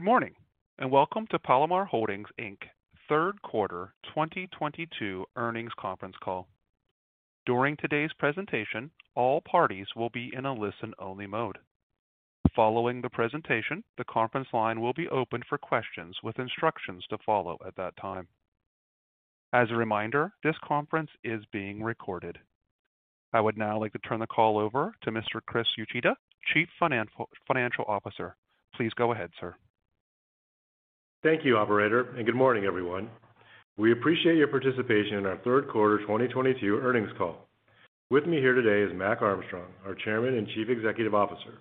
Good morning, and welcome to Palomar Holdings, Inc.'s third quarter 2022 earnings conference call. During today's presentation, all parties will be in a listen-only mode. Following the presentation, the conference line will be opened for questions with instructions to follow at that time. As a reminder, this conference is being recorded. I would now like to turn the call over to Mr. Chris Uchida, Chief Financial Officer. Please go ahead, sir. Thank you, operator, and good morning, everyone. We appreciate your participation in our third quarter 2022 earnings call. With me here today is Mac Armstrong, our Chairman and Chief Executive Officer.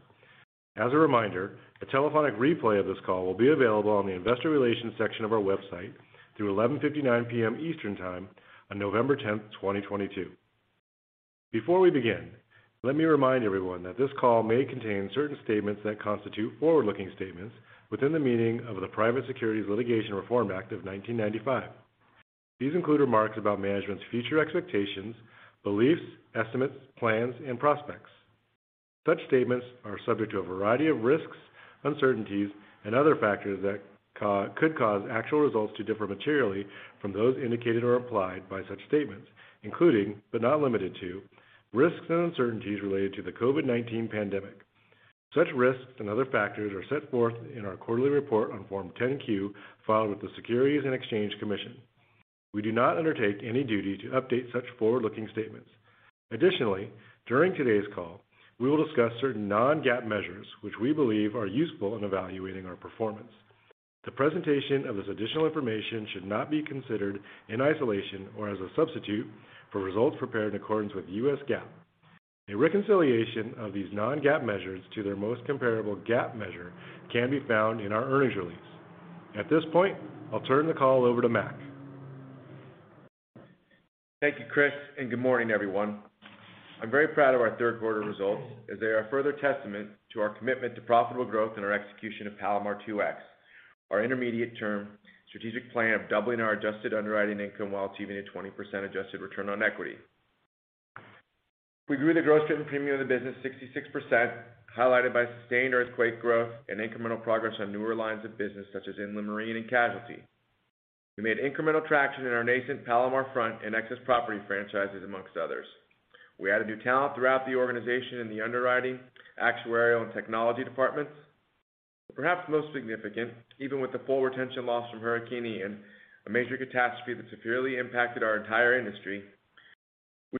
As a reminder, a telephonic replay of this call will be available on the investor relations section of our website through 11:59 P.M. Eastern Time on November 10, 2022. Before we begin, let me remind everyone that this call may contain certain statements that constitute forward-looking statements within the meaning of the Private Securities Litigation Reform Act of 1995. These include remarks about management's future expectations, beliefs, estimates, plans, and prospects. Such statements are subject to a variety of risks, uncertainties, and other factors that could cause actual results to differ materially from those indicated or implied by such statements, including, but not limited to, risks and uncertainties related to the COVID-19 pandemic. Such risks and other factors are set forth in our quarterly report on Form 10-Q filed with the Securities and Exchange Commission. We do not undertake any duty to update such forward-looking statements. Additionally, during today's call, we will discuss certain non-GAAP measures, which we believe are useful in evaluating our performance. The presentation of this additional information should not be considered in isolation or as a substitute for results prepared in accordance with U.S. GAAP. A reconciliation of these non-GAAP measures to their most comparable GAAP measure can be found in our earnings release. At this point, I'll turn the call over to Mac. Thank you, Chris, and good morning, everyone. I'm very proud of our third quarter results as they are further testament to our commitment to profitable growth and our execution of Palomar 2X, our intermediate-term strategic plan of doubling our adjusted underwriting income while achieving a 20% adjusted return on equity. We grew the gross written premium of the business 66%, highlighted by sustained earthquake growth and incremental progress on newer lines of business such as Inland Marine and casualty. We made incremental traction in our nascent Palomar Front and Excess Property franchises, among others. We added new talent throughout the organization in the underwriting, actuarial, and technology departments. Perhaps most significant, even with the full retention loss from Hurricane Ian, a major catastrophe that severely impacted our entire industry,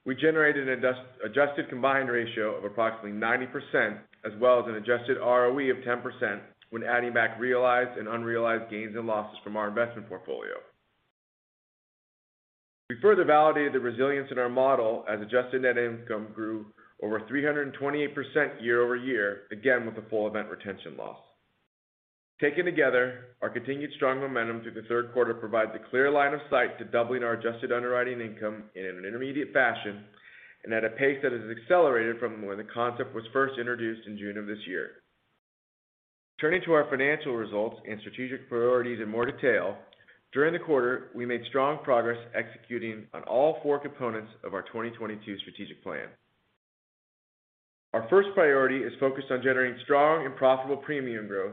we generated an adjusted combined ratio of approximately 90% as well as an adjusted ROE of 10% when adding back realized and unrealized gains and losses from our investment portfolio. We further validated the resilience in our model as adjusted net income grew over 328% year-over-year, again, with the full event retention loss. Taken together, our continued strong momentum through the third quarter provides a clear line of sight to doubling our adjusted underwriting income in an intermediate fashion and at a pace that has accelerated from when the concept was first introduced in June of this year. Turning to our financial results and strategic priorities in more detail, during the quarter, we made strong progress executing on all four components of our 2022 strategic plan. Our first priority is focused on generating strong and profitable premium growth,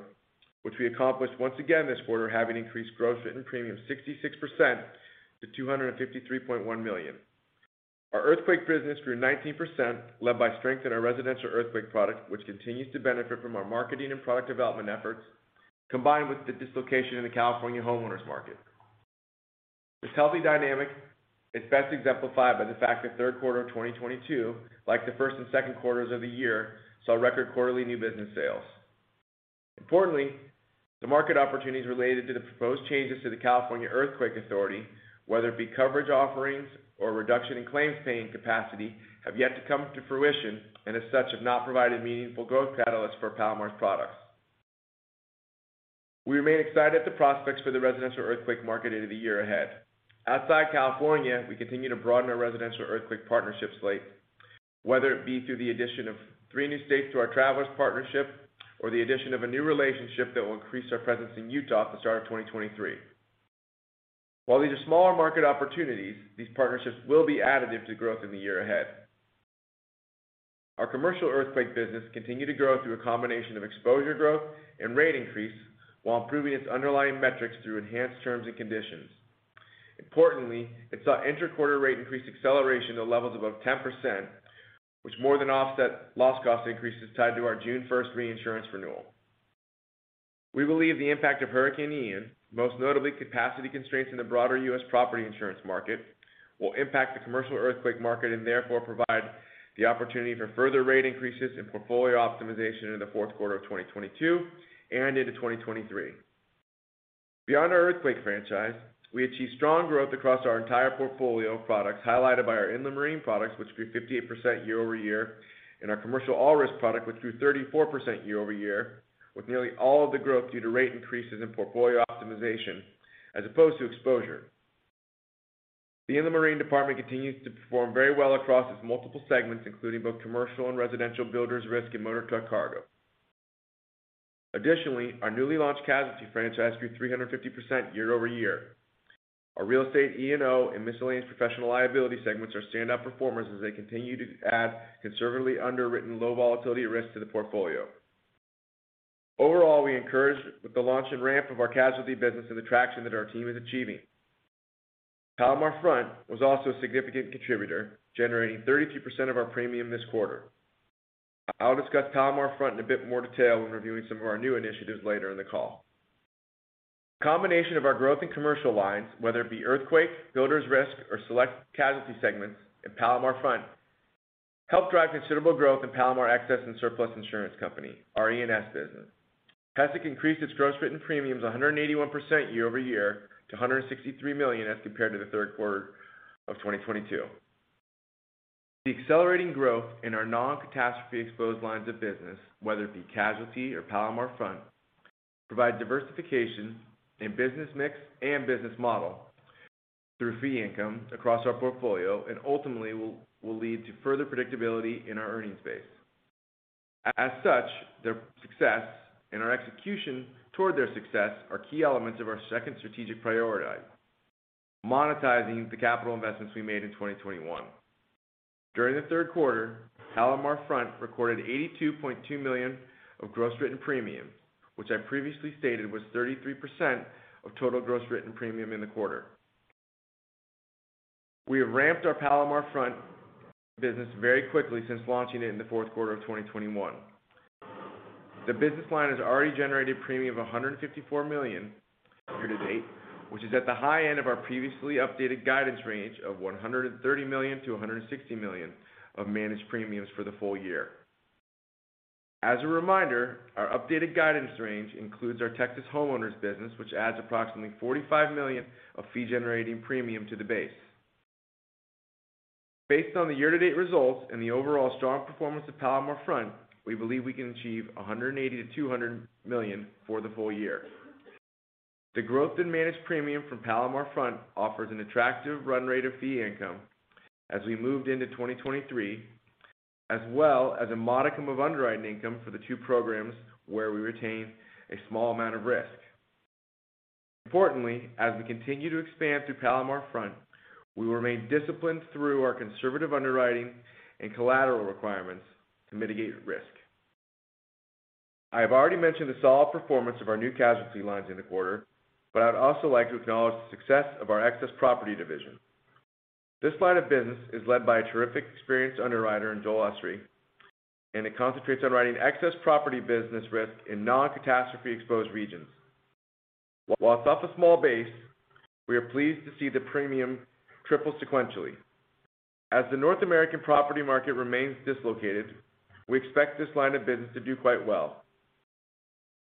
which we accomplished once again this quarter, having increased gross written premium 66% to $253.1 million. Our earthquake business grew 19%, led by strength in our residential earthquake product, which continues to benefit from our marketing and product development efforts, combined with the dislocation in the California homeowners market. This healthy dynamic is best exemplified by the fact that third quarter of 2022, like the first and second quarters of the year, saw record quarterly new business sales. Importantly, the market opportunities related to the proposed changes to the California Earthquake Authority, whether it be coverage offerings or reduction in claims paying capacity, have yet to come to fruition, and as such, have not provided meaningful growth catalysts for Palomar's products. We remain excited at the prospects for the residential earthquake market into the year ahead. Outside California, we continue to broaden our residential earthquake partnership slate, whether it be through the addition of three new states to our Travelers partnership or the addition of a new relationship that will increase our presence in Utah at the start of 2023. While these are smaller market opportunities, these partnerships will be additive to growth in the year ahead. Our commercial earthquake business continued to grow through a combination of exposure growth and rate increase while improving its underlying metrics through enhanced terms and conditions. Importantly, it saw inter-quarter rate increase acceleration to levels above 10%, which more than offset loss cost increases tied to our June first reinsurance renewal. We believe the impact of Hurricane Ian, most notably capacity constraints in the broader U.S. property insurance market, will impact the commercial earthquake market and therefore provide the opportunity for further rate increases and portfolio optimization in the fourth quarter of 2022 and into 2023. Beyond our earthquake franchise, we achieved strong growth across our entire portfolio of products, highlighted by our Inland Marine products, which grew 58% year-over-year, and our commercial all-risk product, which grew 34% year-over-year, with nearly all of the growth due to rate increases in portfolio optimization as opposed to exposure. The Inland Marine department continues to perform very well across its multiple segments, including both commercial and residential builders risk and motor truck cargo. Additionally, our newly launched casualty franchise grew 350% year-over-year. Our real estate E&O and miscellaneous professional liability segments are stand-up performers as they continue to add conservatively underwritten low volatility risk to the portfolio. Overall, we're encouraged with the launch and ramp of our casualty business and the traction that our team is achieving. Palomar Front was also a significant contributor, generating 32% of our premium this quarter. I'll discuss Palomar Front in a bit more detail when reviewing some of our new initiatives later in the call. A combination of our growth in commercial lines, whether it be earthquake, builder's risk, or select casualty segments in Palomar Front, help drive considerable growth in Palomar Excess and Surplus Insurance Company, our E&S business. PESIC increased its gross written premiums 181% year-over-year to $163 million as compared to the third quarter of 2022. The accelerating growth in our non-catastrophe exposed lines of business, whether it be casualty or Palomar Front, provide diversification in business mix and business model through fee income across our portfolio, and ultimately will lead to further predictability in our earnings base. As such, their success and our execution toward their success are key elements of our second strategic priority, monetizing the capital investments we made in 2021. During the third quarter, Palomar Front recorded $82.2 million of gross written premium, which I previously stated was 33% of total gross written premium in the quarter. We have ramped our Palomar Front business very quickly since launching it in the fourth quarter of 2021. The business line has already generated premium of $154 million year to date, which is at the high end of our previously updated guidance range of $130 million-$160 million of managed premiums for the full year. As a reminder, our updated guidance range includes our Texas homeowners business, which adds approximately $45 million of fee-generating premium to the base. Based on the year-to-date results and the overall strong performance of Palomar Front, we believe we can achieve $180 million-$200 million for the full year. The growth in managed premium from Palomar Front offers an attractive run rate of fee income as we moved into 2023, as well as a modicum of underwriting income for the two programs where we retain a small amount of risk. Importantly, as we continue to expand through Palomar Front, we will remain disciplined through our conservative underwriting and collateral requirements to mitigate risk. I have already mentioned the solid performance of our new casualty lines in the quarter, but I'd also like to acknowledge the success of our excess property division. This line of business is led by a terrific experienced underwriter in Joel Ussery, and it concentrates on writing excess property business risk in non-catastrophe exposed regions. While it's off a small base, we are pleased to see the premium triple sequentially. As the North American property market remains dislocated, we expect this line of business to do quite well.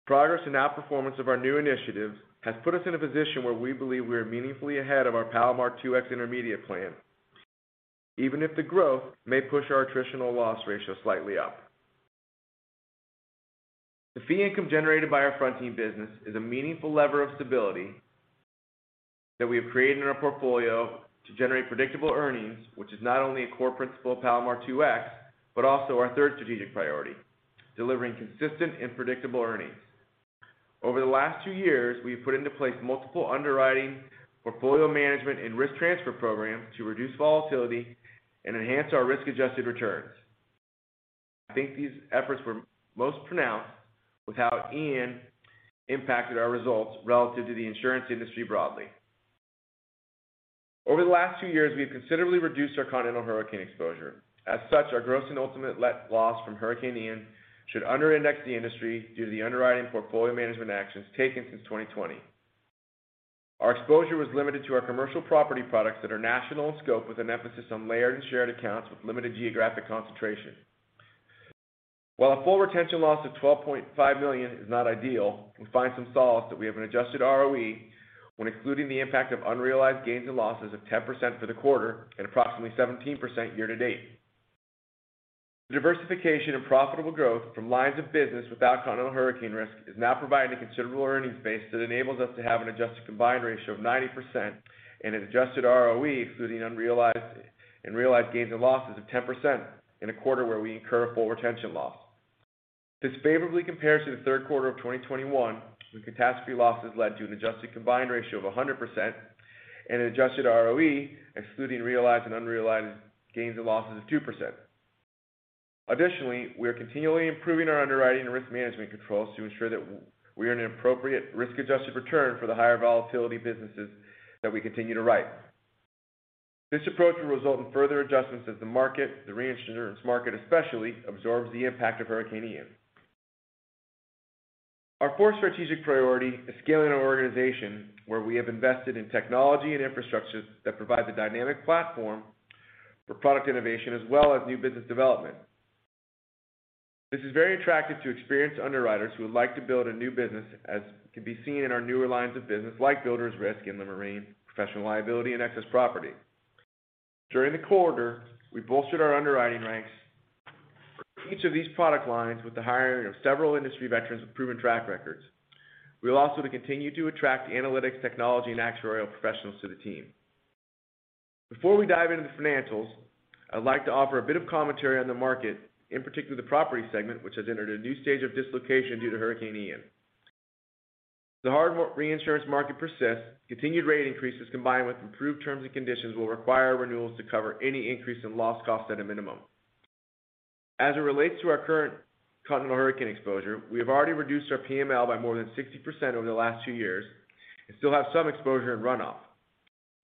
Progress in outperformance of our new initiatives has put us in a position where we believe we are meaningfully ahead of our Palomar 2X intermediate plan, even if the growth may push our attritional loss ratio slightly up. The fee income generated by our fronting business is a meaningful lever of stability that we have created in our portfolio to generate predictable earnings, which is not only a core principle of Palomar 2X, but also our third strategic priority, delivering consistent and predictable earnings. Over the last two years, we've put into place multiple underwriting portfolio management and risk transfer programs to reduce volatility and enhance our risk-adjusted returns. I think these efforts were most pronounced with how Hurricane Ian impacted our results relative to the insurance industry broadly. Over the last two years, we've considerably reduced our continental hurricane exposure. As such, our gross and ultimate net loss from Hurricane Ian should under-index the industry due to the underwriting portfolio management actions taken since 2020. Our exposure was limited to our commercial property products that are national in scope with an emphasis on layered and shared accounts with limited geographic concentration. While a full retention loss of $12.5 million is not ideal, we find some solace that we have an adjusted ROE when excluding the impact of unrealized gains and losses of 10% for the quarter and approximately 17% year to date. The diversification and profitable growth from lines of business without continental hurricane risk is now providing a considerable earnings base that enables us to have an adjusted combined ratio of 90% and an adjusted ROE excluding unrealized and realized gains and losses of 10% in a quarter where we incur a full retention loss. This favorably compares to the third quarter of 2021, when catastrophe losses led to an adjusted combined ratio of 100% and an adjusted ROE excluding realized and unrealized gains and losses of 2%. Additionally, we are continually improving our underwriting and risk management controls to ensure that we earn an appropriate risk-adjusted return for the higher volatility businesses that we continue to write. This approach will result in further adjustments as the market, the reinsurance market especially, absorbs the impact of Hurricane Ian. Our fourth strategic priority is scaling our organization where we have invested in technology and infrastructure that provide the dynamic platform for product innovation as well as new business development. This is very attractive to experienced underwriters who would like to build a new business, as can be seen in our newer lines of business like builders risk, inland marine, professional liability and excess property. During the quarter, we bolstered our underwriting ranks for each of these product lines with the hiring of several industry veterans with proven track records. We will also continue to attract analytics, technology, and actuarial professionals to the team. Before we dive into the financials, I'd like to offer a bit of commentary on the market, in particular the property segment, which has entered a new stage of dislocation due to Hurricane Ian. The hard market for reinsurance persists. Continued rate increases, combined with improved terms and conditions, will require renewals to cover any increase in loss costs at a minimum. As it relates to our current continental hurricane exposure, we have already reduced our PML by more than 60% over the last two years and still have some exposure in runoff.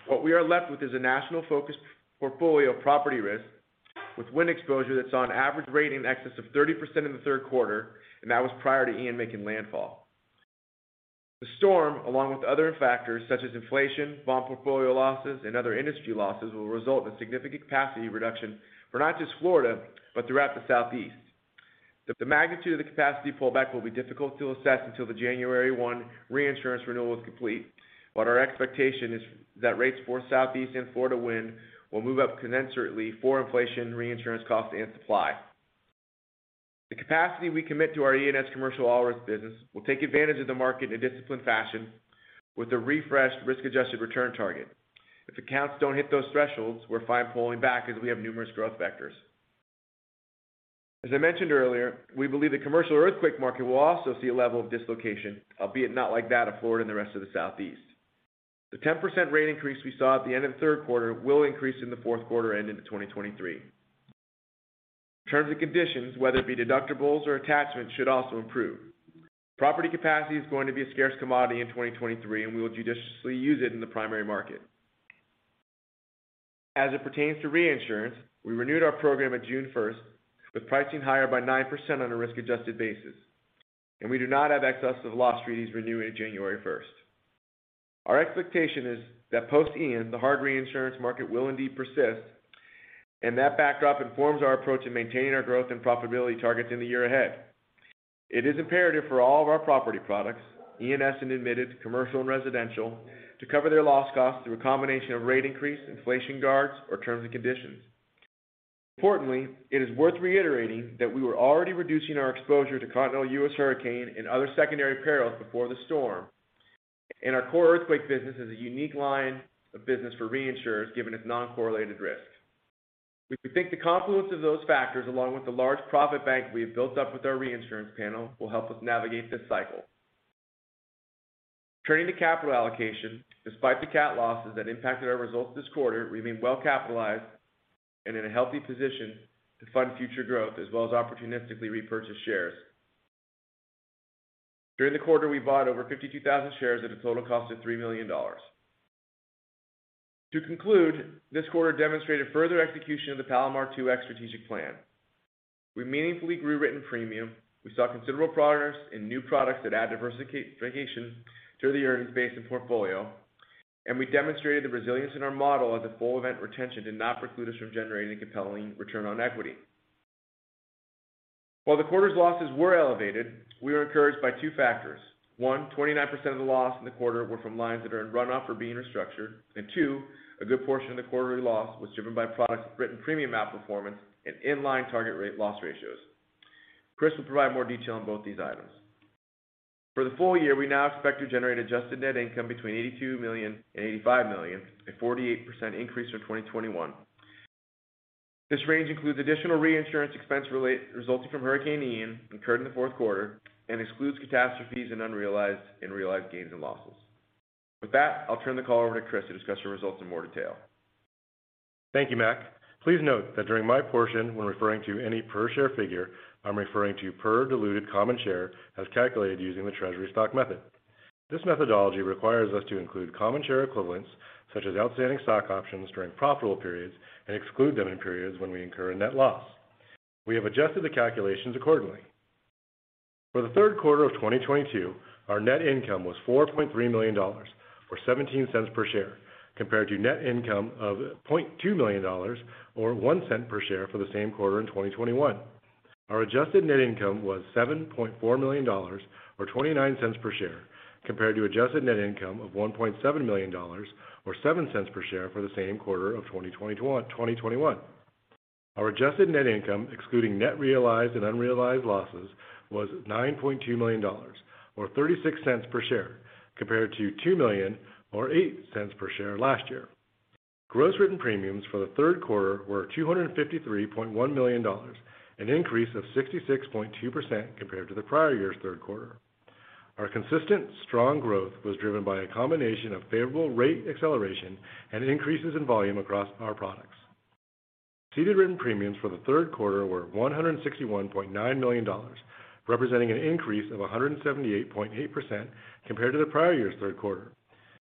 What we are left with is a national-focused portfolio of property risk with wind exposure that's on average rated in excess of 30% in the third quarter, and that was prior to Ian making landfall. The storm, along with other factors such as inflation, bond portfolio losses, and other industry losses will result in significant capacity reduction for not just Florida, but throughout the Southeast. The magnitude of the capacity pullback will be difficult to assess until the January 1 reinsurance renewal is complete. Our expectation is that rates for Southeast and Florida wind will move up considerably for inflation, reinsurance costs, and supply. The capacity we commit to our E&S commercial all-risk business will take advantage of the market in a disciplined fashion with a refreshed risk-adjusted return target. If accounts don't hit those thresholds, we're fine pulling back as we have numerous growth vectors. As I mentioned earlier, we believe the commercial earthquake market will also see a level of dislocation, albeit not like that of Florida and the rest of the Southeast. The 10% rate increase we saw at the end of the third quarter will increase in the fourth quarter and into 2023. Terms and conditions, whether it be deductibles or attachments, should also improve. Property capacity is going to be a scarce commodity in 2023, and we will judiciously use it in the primary market. As it pertains to reinsurance, we renewed our program at June first with pricing higher by 9% on a risk-adjusted basis, and we do not have excess of loss treaties renewing January first. Our expectation is that post-Ian, the hard reinsurance market will indeed persist, and that backdrop informs our approach in maintaining our growth and profitability targets in the year ahead. It is imperative for all of our property products, E&S and admitted, commercial and residential, to cover their loss costs through a combination of rate increase, inflation guards, or terms and conditions. Importantly, it is worth reiterating that we were already reducing our exposure to continental U.S. hurricane and other secondary perils before the storm. Our core earthquake business is a unique line of business for reinsurers given its non-correlated risk. We think the confluence of those factors, along with the large profit bank we have built up with our reinsurance panel, will help us navigate this cycle. Turning to capital allocation, despite the cat losses that impacted our results this quarter, we remain well-capitalized and in a healthy position to fund future growth as well as opportunistically repurchase shares. During the quarter, we bought over 52,000 shares at a total cost of $3 million. To conclude, this quarter demonstrated further execution of the Palomar 2X strategic plan. We meaningfully grew written premium. We saw considerable progress in new products that add diversification to the earnings base and portfolio. We demonstrated the resilience in our model as a full event retention did not preclude us from generating a compelling return on equity. While the quarter's losses were elevated, we were encouraged by two factors. One, 29% of the loss in the quarter were from lines that are in runoff or being restructured. Two, a good portion of the quarterly loss was driven by products' written premium outperformance and in-line target rate loss ratios. Chris will provide more detail on both these items. For the full year, we now expect to generate adjusted net income between $82 million and $85 million, a 48% increase from 2021. This range includes additional reinsurance expense resulting from Hurricane Ian incurred in the fourth quarter and excludes catastrophes and unrealized and realized gains and losses. With that, I'll turn the call over to Chris to discuss your results in more detail. Thank you, Mac. Please note that during my portion when referring to any per share figure, I'm referring to per diluted common share as calculated using the treasury stock method. This methodology requires us to include common share equivalents, such as outstanding stock options during profitable periods and exclude them in periods when we incur a net loss. We have adjusted the calculations accordingly. For the third quarter of 2022, our net income was $4.3 million or $0.17 per share, compared to net income of $0.2 million or $0.01 per share for the same quarter in 2021. Our adjusted net income was $7.4 million or $0.29 per share, compared to adjusted net income of $1.7 million or $0.07 per share for the same quarter of 2021. Our adjusted net income, excluding net realized and unrealized losses, was $9.2 million or $0.36 per share, compared to $2 million or $0.08 per share last year. Gross written premiums for the third quarter were $253.1 million, an increase of 66.2% compared to the prior year's third quarter. Ceded written premiums for the third quarter were $161.9 million, representing an increase of 178.8% compared to the prior year's third quarter.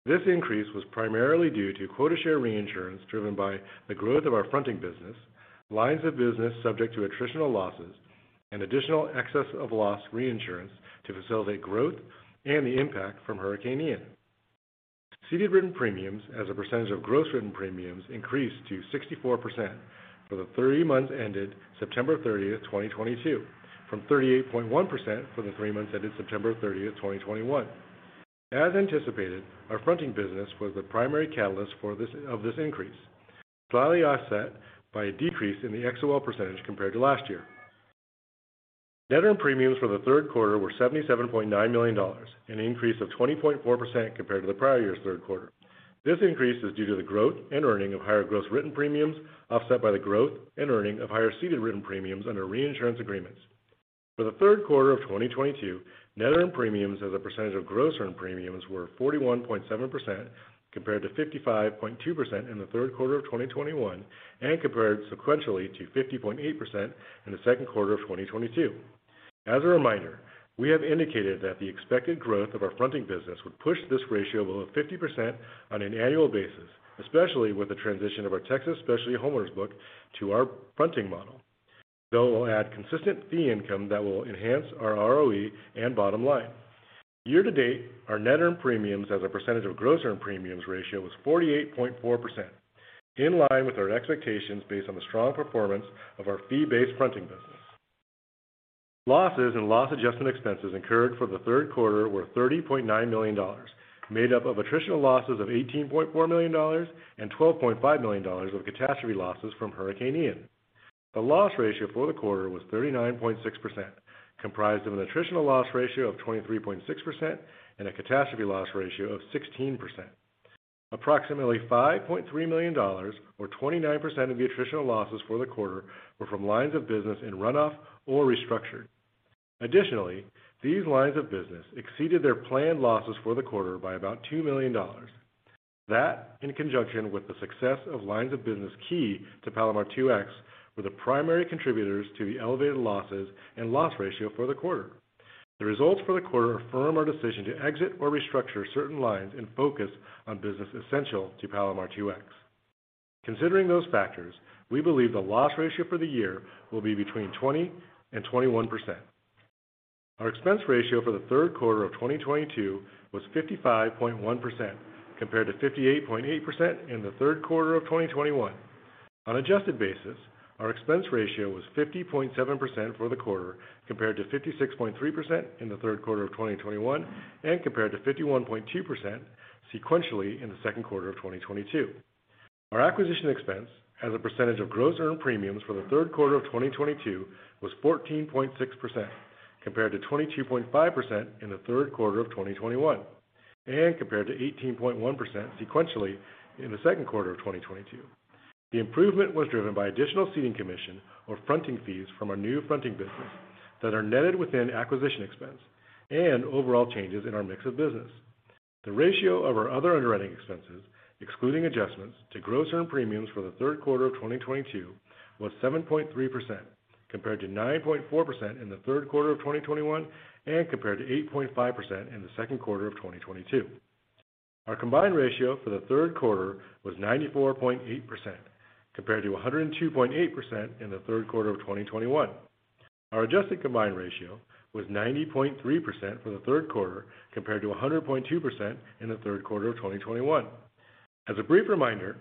This increase was primarily due to quota share reinsurance driven by the growth of our fronting business, lines of business subject to attritional losses, and additional excess of loss reinsurance to facilitate growth and the impact from Hurricane Ian. Ceded written premiums as a percentage of gross written premiums increased to 64% for the three months ended September 30th, 2022, from 38.1% for the three months ended September 30th, 2021. As anticipated, our fronting business was the primary catalyst for this, of this increase, slightly offset by a decrease in the XOL percentage compared to last year. Net earned premiums for the third quarter were $77.9 million, an increase of 20.4% compared to the prior year's third quarter. This increase is due to the growth and earning of higher gross written premiums, offset by the growth and earning of higher ceded written premiums under reinsurance agreements. For the third quarter of 2022, net earned premiums as a percentage of gross earned premiums were 41.7% compared to 55.2% in the third quarter of 2021, and compared sequentially to 50.8% in the second quarter of 2022. As a reminder, we have indicated that the expected growth of our fronting business would push this ratio below 50% on an annual basis, especially with the transition of our Texas specialty homeowners book to our fronting model. They will add consistent fee income that will enhance our ROE and bottom line. Year to date, our net earned premiums as a percentage of gross earned premiums ratio was 48.4%, in line with our expectations based on the strong performance of our fee-based fronting business. Losses and loss adjustment expenses incurred for the third quarter were $30.9 million, made up of attritional losses of $18.4 million and $12.5 million of catastrophe losses from Hurricane Ian. The loss ratio for the quarter was 39.6%, comprised of an attritional loss ratio of 23.6% and a catastrophe loss ratio of 16%. Approximately $5.3 million or 29% of the attritional losses for the quarter were from lines of business in runoff or restructured. Additionally, these lines of business exceeded their planned losses for the quarter by about $2 million. That, in conjunction with the success of lines of business key to Palomar 2X, were the primary contributors to the elevated losses and loss ratio for the quarter. The results for the quarter affirm our decision to exit or restructure certain lines and focus on business essential to Palomar 2X. Considering those factors, we believe the loss ratio for the year will be between 20%-21%. Our expense ratio for the third quarter of 2022 was 55.1% compared to 58.8% in the third quarter of 2021. On adjusted basis, our expense ratio was 50.7% for the quarter compared to 56.3% in the third quarter of 2021 and compared to 51.2% sequentially in the second quarter of 2022. Our acquisition expense as a percentage of gross earned premiums for the third quarter of 2022 was 14.6% compared to 22.5% in the third quarter of 2021, and compared to 18.1% sequentially in the second quarter of 2022. The improvement was driven by additional ceding commission or fronting fees from our new fronting business that are netted within acquisition expense and overall changes in our mix of business. The ratio of our other underwriting expenses, excluding adjustments to gross earned premiums for the third quarter of 2022 was 7.3% compared to 9.4% in the third quarter of 2021 and compared to 8.5% in the second quarter of 2022. Our combined ratio for the third quarter was 94.8% compared to 102.8% in the third quarter of 2021. Our adjusted combined ratio was 90.3% for the third quarter compared to 100.2% in the third quarter of 2021. As a brief reminder,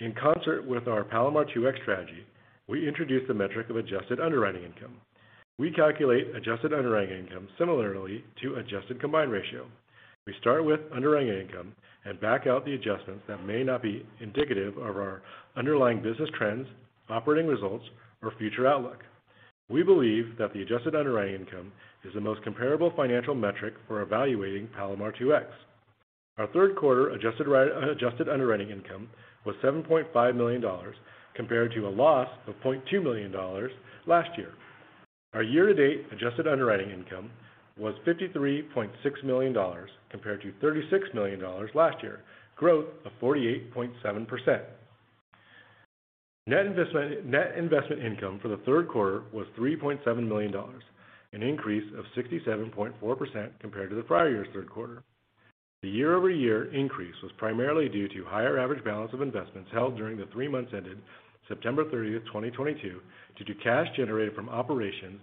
in concert with our Palomar 2X strategy, we introduced the metric of adjusted underwriting income. We calculate adjusted underwriting income similarly to adjusted combined ratio. We start with underwriting income and back out the adjustments that may not be indicative of our underlying business trends, operating results, or future outlook. We believe that the adjusted underwriting income is the most comparable financial metric for evaluating Palomar 2X. Our third quarter adjusted underwriting income was $7.5 million compared to a loss of $0.2 million last year. Our year-to-date adjusted underwriting income was $53.6 million compared to $36 million last year, growth of 48.7%. Net investment income for the third quarter was $3.7 million, an increase of 67.4% compared to the prior year's third quarter. The year-over-year increase was primarily due to higher average balance of investments held during the three months ended September 30, 2022 due to cash generated from operations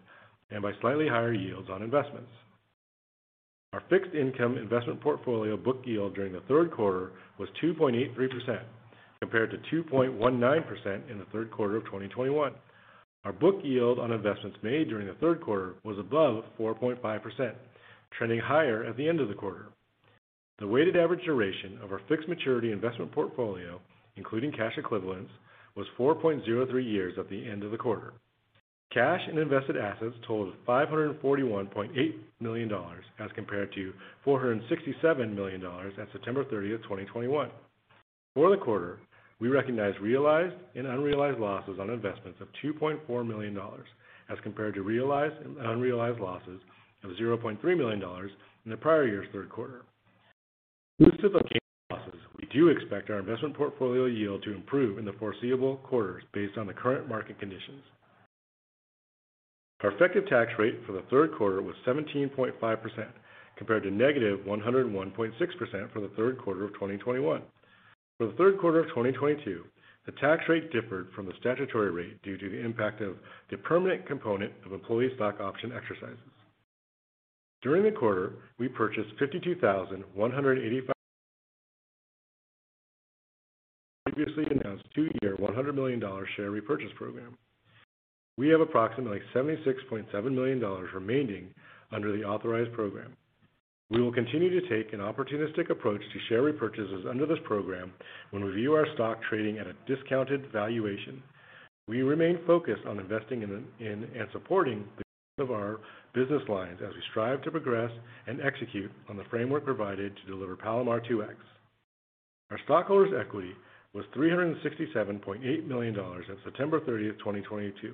and by slightly higher yields on investments. Our fixed income investment portfolio book yield during the third quarter was 2.83% compared to 2.19% in the third quarter of 2021. Our book yield on investments made during the third quarter was above 4.5%, trending higher at the end of the quarter. The weighted average duration of our fixed maturity investment portfolio, including cash equivalents, was 4.03 years at the end of the quarter. Cash and invested assets totaled $541.8 million as compared to $467 million at September 30, 2021. For the quarter, we recognized realized and unrealized losses on investments of $2.4 million as compared to realized and unrealized losses of $0.3 million in the prior year's third quarter. Due to the gain losses, we do expect our investment portfolio yield to improve in the foreseeable quarters based on the current market conditions. Our effective tax rate for the third quarter was 17.5% compared to -101.6% for the third quarter of 2021. For the third quarter of 2022, the tax rate differed from the statutory rate due to the impact of the permanent component of employee stock option exercises. During the quarter, we purchased 52,185 shares under the previously announced two-year $100 million share repurchase program. We have approximately $76.7 million remaining under the authorized program. We will continue to take an opportunistic approach to share repurchases under this program when we view our stock trading at a discounted valuation. We remain focused on investing in and supporting the growth of our business lines as we strive to progress and execute on the framework provided to deliver Palomar 2X. Our stockholders' equity was $367.8 million at September 30, 2022,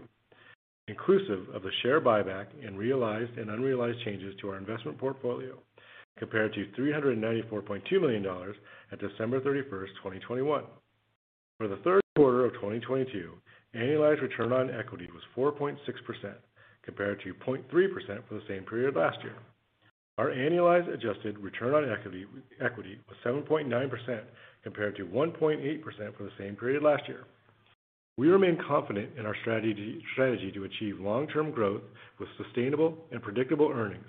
inclusive of the share buyback and realized and unrealized changes to our investment portfolio, compared to $394.2 million at December 31, 2021. For the third quarter of 2022, annualized return on equity was 4.6% compared to 0.3% for the same period last year. Our annualized adjusted return on equity was 7.9% compared to 1.8% for the same period last year. We remain confident in our strategy to achieve long-term growth with sustainable and predictable earnings.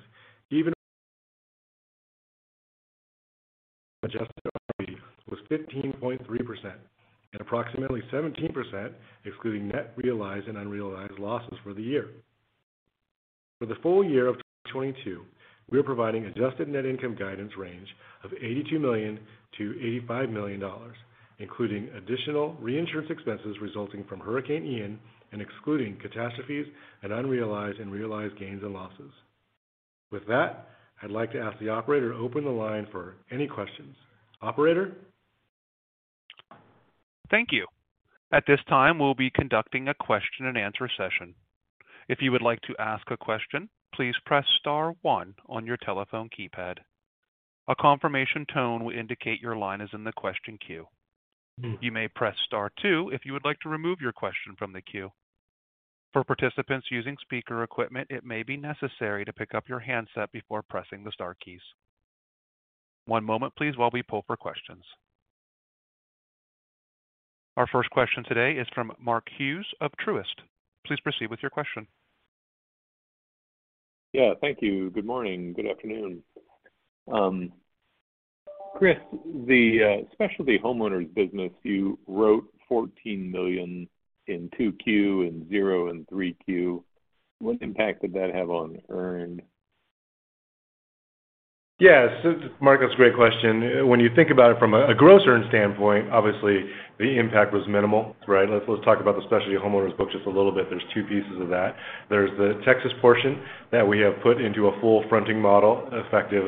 Adjusted equity was 15.3%, and approximately 17% excluding net realized and unrealized losses for the year. For the full year of 2022, we are providing adjusted net income guidance range of $82 million-$85 million, including additional reinsurance expenses resulting from Hurricane Ian and excluding catastrophes and unrealized and realized gains and losses. With that, I'd like to ask the operator to open the line for any questions. Operator? Thank you. At this time, we'll be conducting a question-and-answer session. If you would like to ask a question, please press star one on your telephone keypad. A confirmation tone will indicate your line is in the question queue. You may press star two if you would like to remove your question from the queue. For participants using speaker equipment, it may be necessary to pick up your handset before pressing the star keys. One moment please while we pull for questions. Our first question today is from Mark Hughes of Truist. Please proceed with your question. Yeah, thank you. Good morning. Good afternoon. Chris, the specialty homeowners business, you wrote $14 million in 2Q and zero in 3Q. What impact did that have on earned? Yes. Mark, that's a great question. When you think about it from a gross earned standpoint, obviously the impact was minimal, right? Let's talk about the specialty homeowners book just a little bit. There's two pieces of that. There's the Texas portion that we have put into a full fronting model effective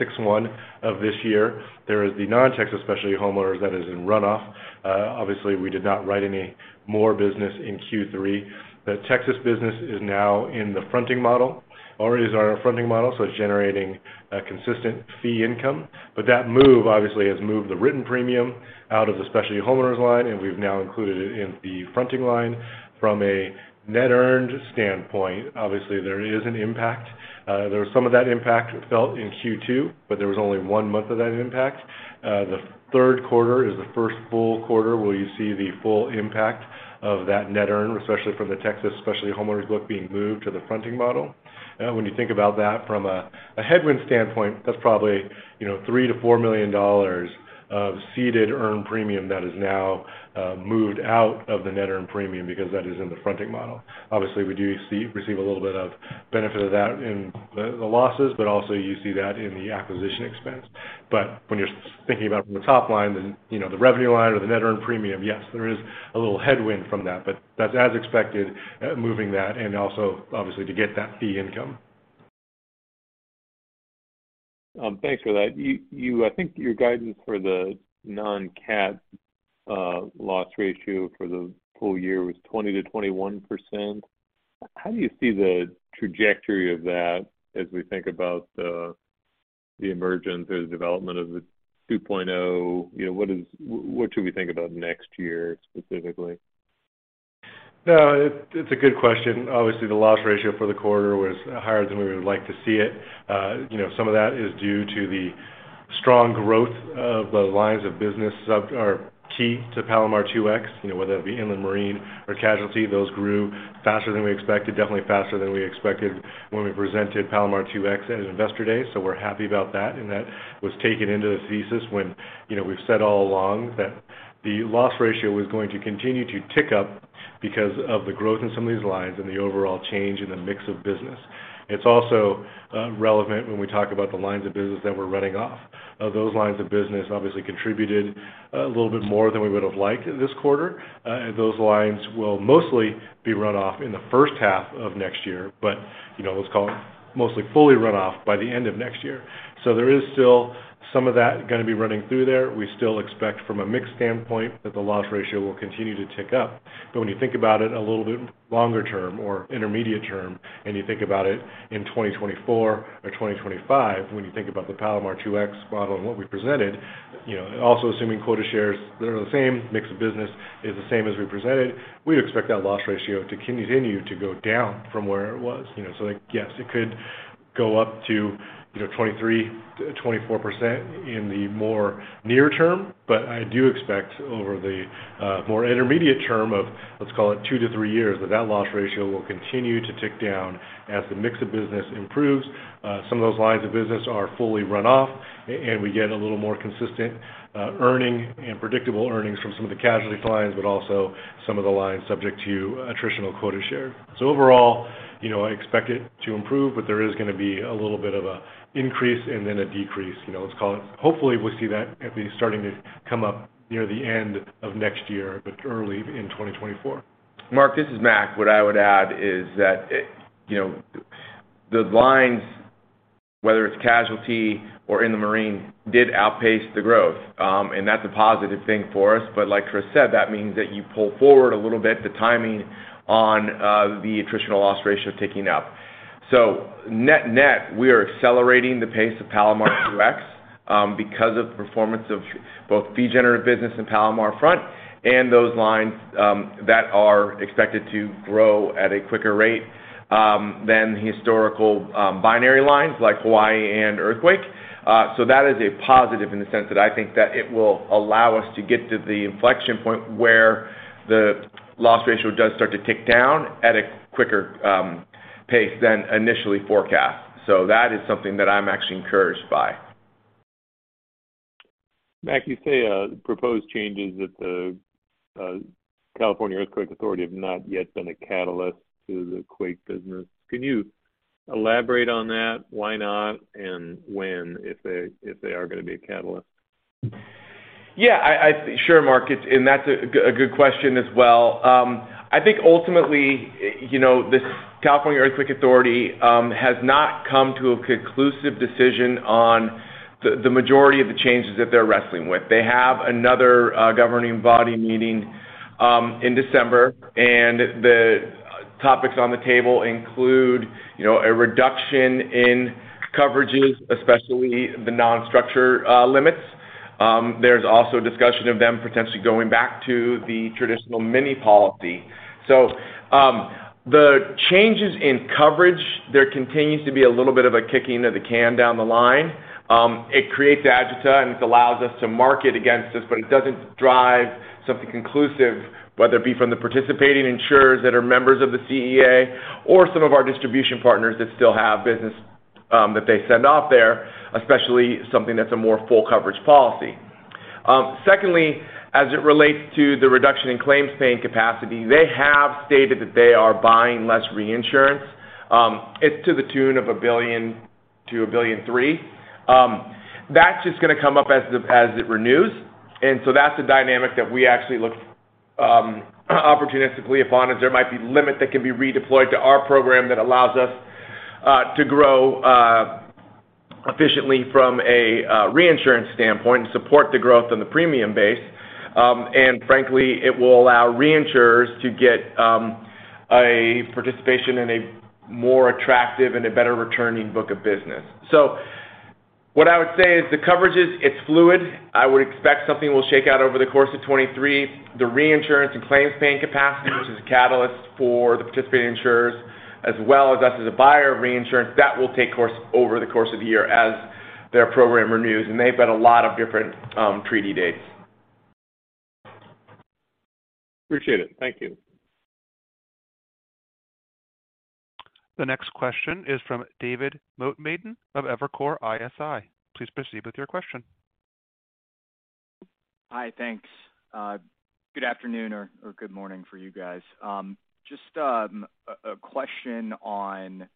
6/1 of this year. There is the non-Texas specialty homeowners that is in runoff. Obviously we did not write any more business in Q3. The Texas business is now in the fronting model or is our fronting model, so it's generating a consistent fee income. But that move obviously has moved the written premium out of the specialty homeowners line, and we've now included it in the fronting line. From a net earned standpoint, obviously there is an impact. There's some of that impact felt in Q2, but there was only one month of that impact. The third quarter is the first full quarter where you see the full impact of that net earn, especially for the Texas specialty homeowners book being moved to the fronting model. When you think about that from a headwind standpoint, that's probably, you know, $3 million-$4 million of ceded earned premium that is now moved out of the net earned premium because that is in the fronting model. Obviously, we do receive a little bit of benefit of that in the losses, but also you see that in the acquisition expense. When you're thinking about from the top line, then, you know, the revenue line or the net earned premium, yes, there is a little headwind from that, but that's as expected, moving that and also obviously to get that fee income. Thanks for that. You I think your guidance for the non-cat loss ratio for the full year was 20%-21%. How do you see the trajectory of that as we think about the emergence or the development of the 2.0? You know, what should we think about next year, specifically? No, it's a good question. Obviously, the loss ratio for the quarter was higher than we would like to see it. You know, some of that is due to the strong growth of the lines of business that are key to Palomar 2X, you know, whether it be Inland Marine or casualty. Those grew faster than we expected, definitely faster than we expected when we presented Palomar 2X at Investor Day. We're happy about that, and that was taken into the thesis when, you know, we've said all along that the loss ratio was going to continue to tick up because of the growth in some of these lines and the overall change in the mix of business. It's also relevant when we talk about the lines of business that we're running off. Those lines of business obviously contributed a little bit more than we would've liked this quarter. Those lines will mostly be run off in the first half of next year. You know, let's call it mostly fully run off by the end of next year. There is still some of that gonna be running through there. We still expect from a mix standpoint that the loss ratio will continue to tick up. When you think about it a little bit longer term or intermediate term, and you think about it in 2024 or 2025, when you think about the Palomar 2X model and what we presented, you know, also assuming quota shares that are the same, mix of business is the same as we presented, we expect that loss ratio to continue to go down from where it was. You know, so like, yes, it could go up to, you know, 23%-24% in the more near term. But I do expect over the more intermediate term of, let's call it 2-3 years, that loss ratio will continue to tick down as the mix of business improves. Some of those lines of business are fully run off, and we get a little more consistent earnings and predictable earnings from some of the casualty lines, but also some of the lines subject to attritional quota share. Overall, you know, I expect it to improve, but there is gonna be a little bit of an increase and then a decrease, you know, let's call it. Hopefully, we'll see that at least starting to come down near the end of next year, but early in 2024. Mark, this is Mac. What I would add is that, you know, the lines, whether it's casualty or inland marine, did outpace the growth. That's a positive thing for us. Like Chris said, that means that you pull forward a little bit the timing on the attritional loss ratio ticking up. Net-net, we are accelerating the pace of Palomar 2X because of the performance of both fee-generating business and Palomar front, and those lines that are expected to grow at a quicker rate than the historical binary lines like Hawaii and earthquake. That is a positive in the sense that I think that it will allow us to get to the inflection point where the loss ratio does start to tick down at a quicker pace than initially forecast. That is something that I'm actually encouraged by. Mac, you say the proposed changes at the California Earthquake Authority have not yet been a catalyst to the quake business. Can you elaborate on that? Why not? And when, if they are gonna be a catalyst? Sure, Mark. That's a good question as well. I think ultimately, you know, this California Earthquake Authority has not come to a conclusive decision on the majority of the changes that they're wrestling with. They have another governing body meeting in December, and the topics on the table include, you know, a reduction in coverages, especially the non-structural limits. There's also discussion of them potentially going back to the traditional mini policy. The changes in coverage, there continues to be a little bit of a kicking of the can down the line. It creates agita, and it allows us to market against this, but it doesn't drive something conclusive, whether it be from the participating insurers that are members of the CEA or some of our distribution partners that still have business that they send off there, especially something that's a more full coverage policy. Secondly, as it relates to the reduction in claims paying capacity, they have stated that they are buying less reinsurance. It's to the tune of $1 billion-$1.3 billion. That's just gonna come up as it renews. That's a dynamic that we actually look opportunistically upon as there might be limit that can be redeployed to our program that allows us to grow efficiently from a reinsurance standpoint and support the growth on the premium base. Frankly, it will allow reinsurers to get a participation in a more attractive and a better returning book of business. What I would say is the coverage is, it's fluid. I would expect something will shake out over the course of 2023. The reinsurance and claims paying capacity, which is a catalyst for the participating insurers as well as us as a buyer of reinsurance, that will take course over the course of the year as their program renews, and they've got a lot of different treaty dates. Appreciate it. Thank you. The next question is from David Motemaden of Evercore ISI. Please proceed with your question. Hi. Thanks. Good afternoon or good morning for you guys. Just a question on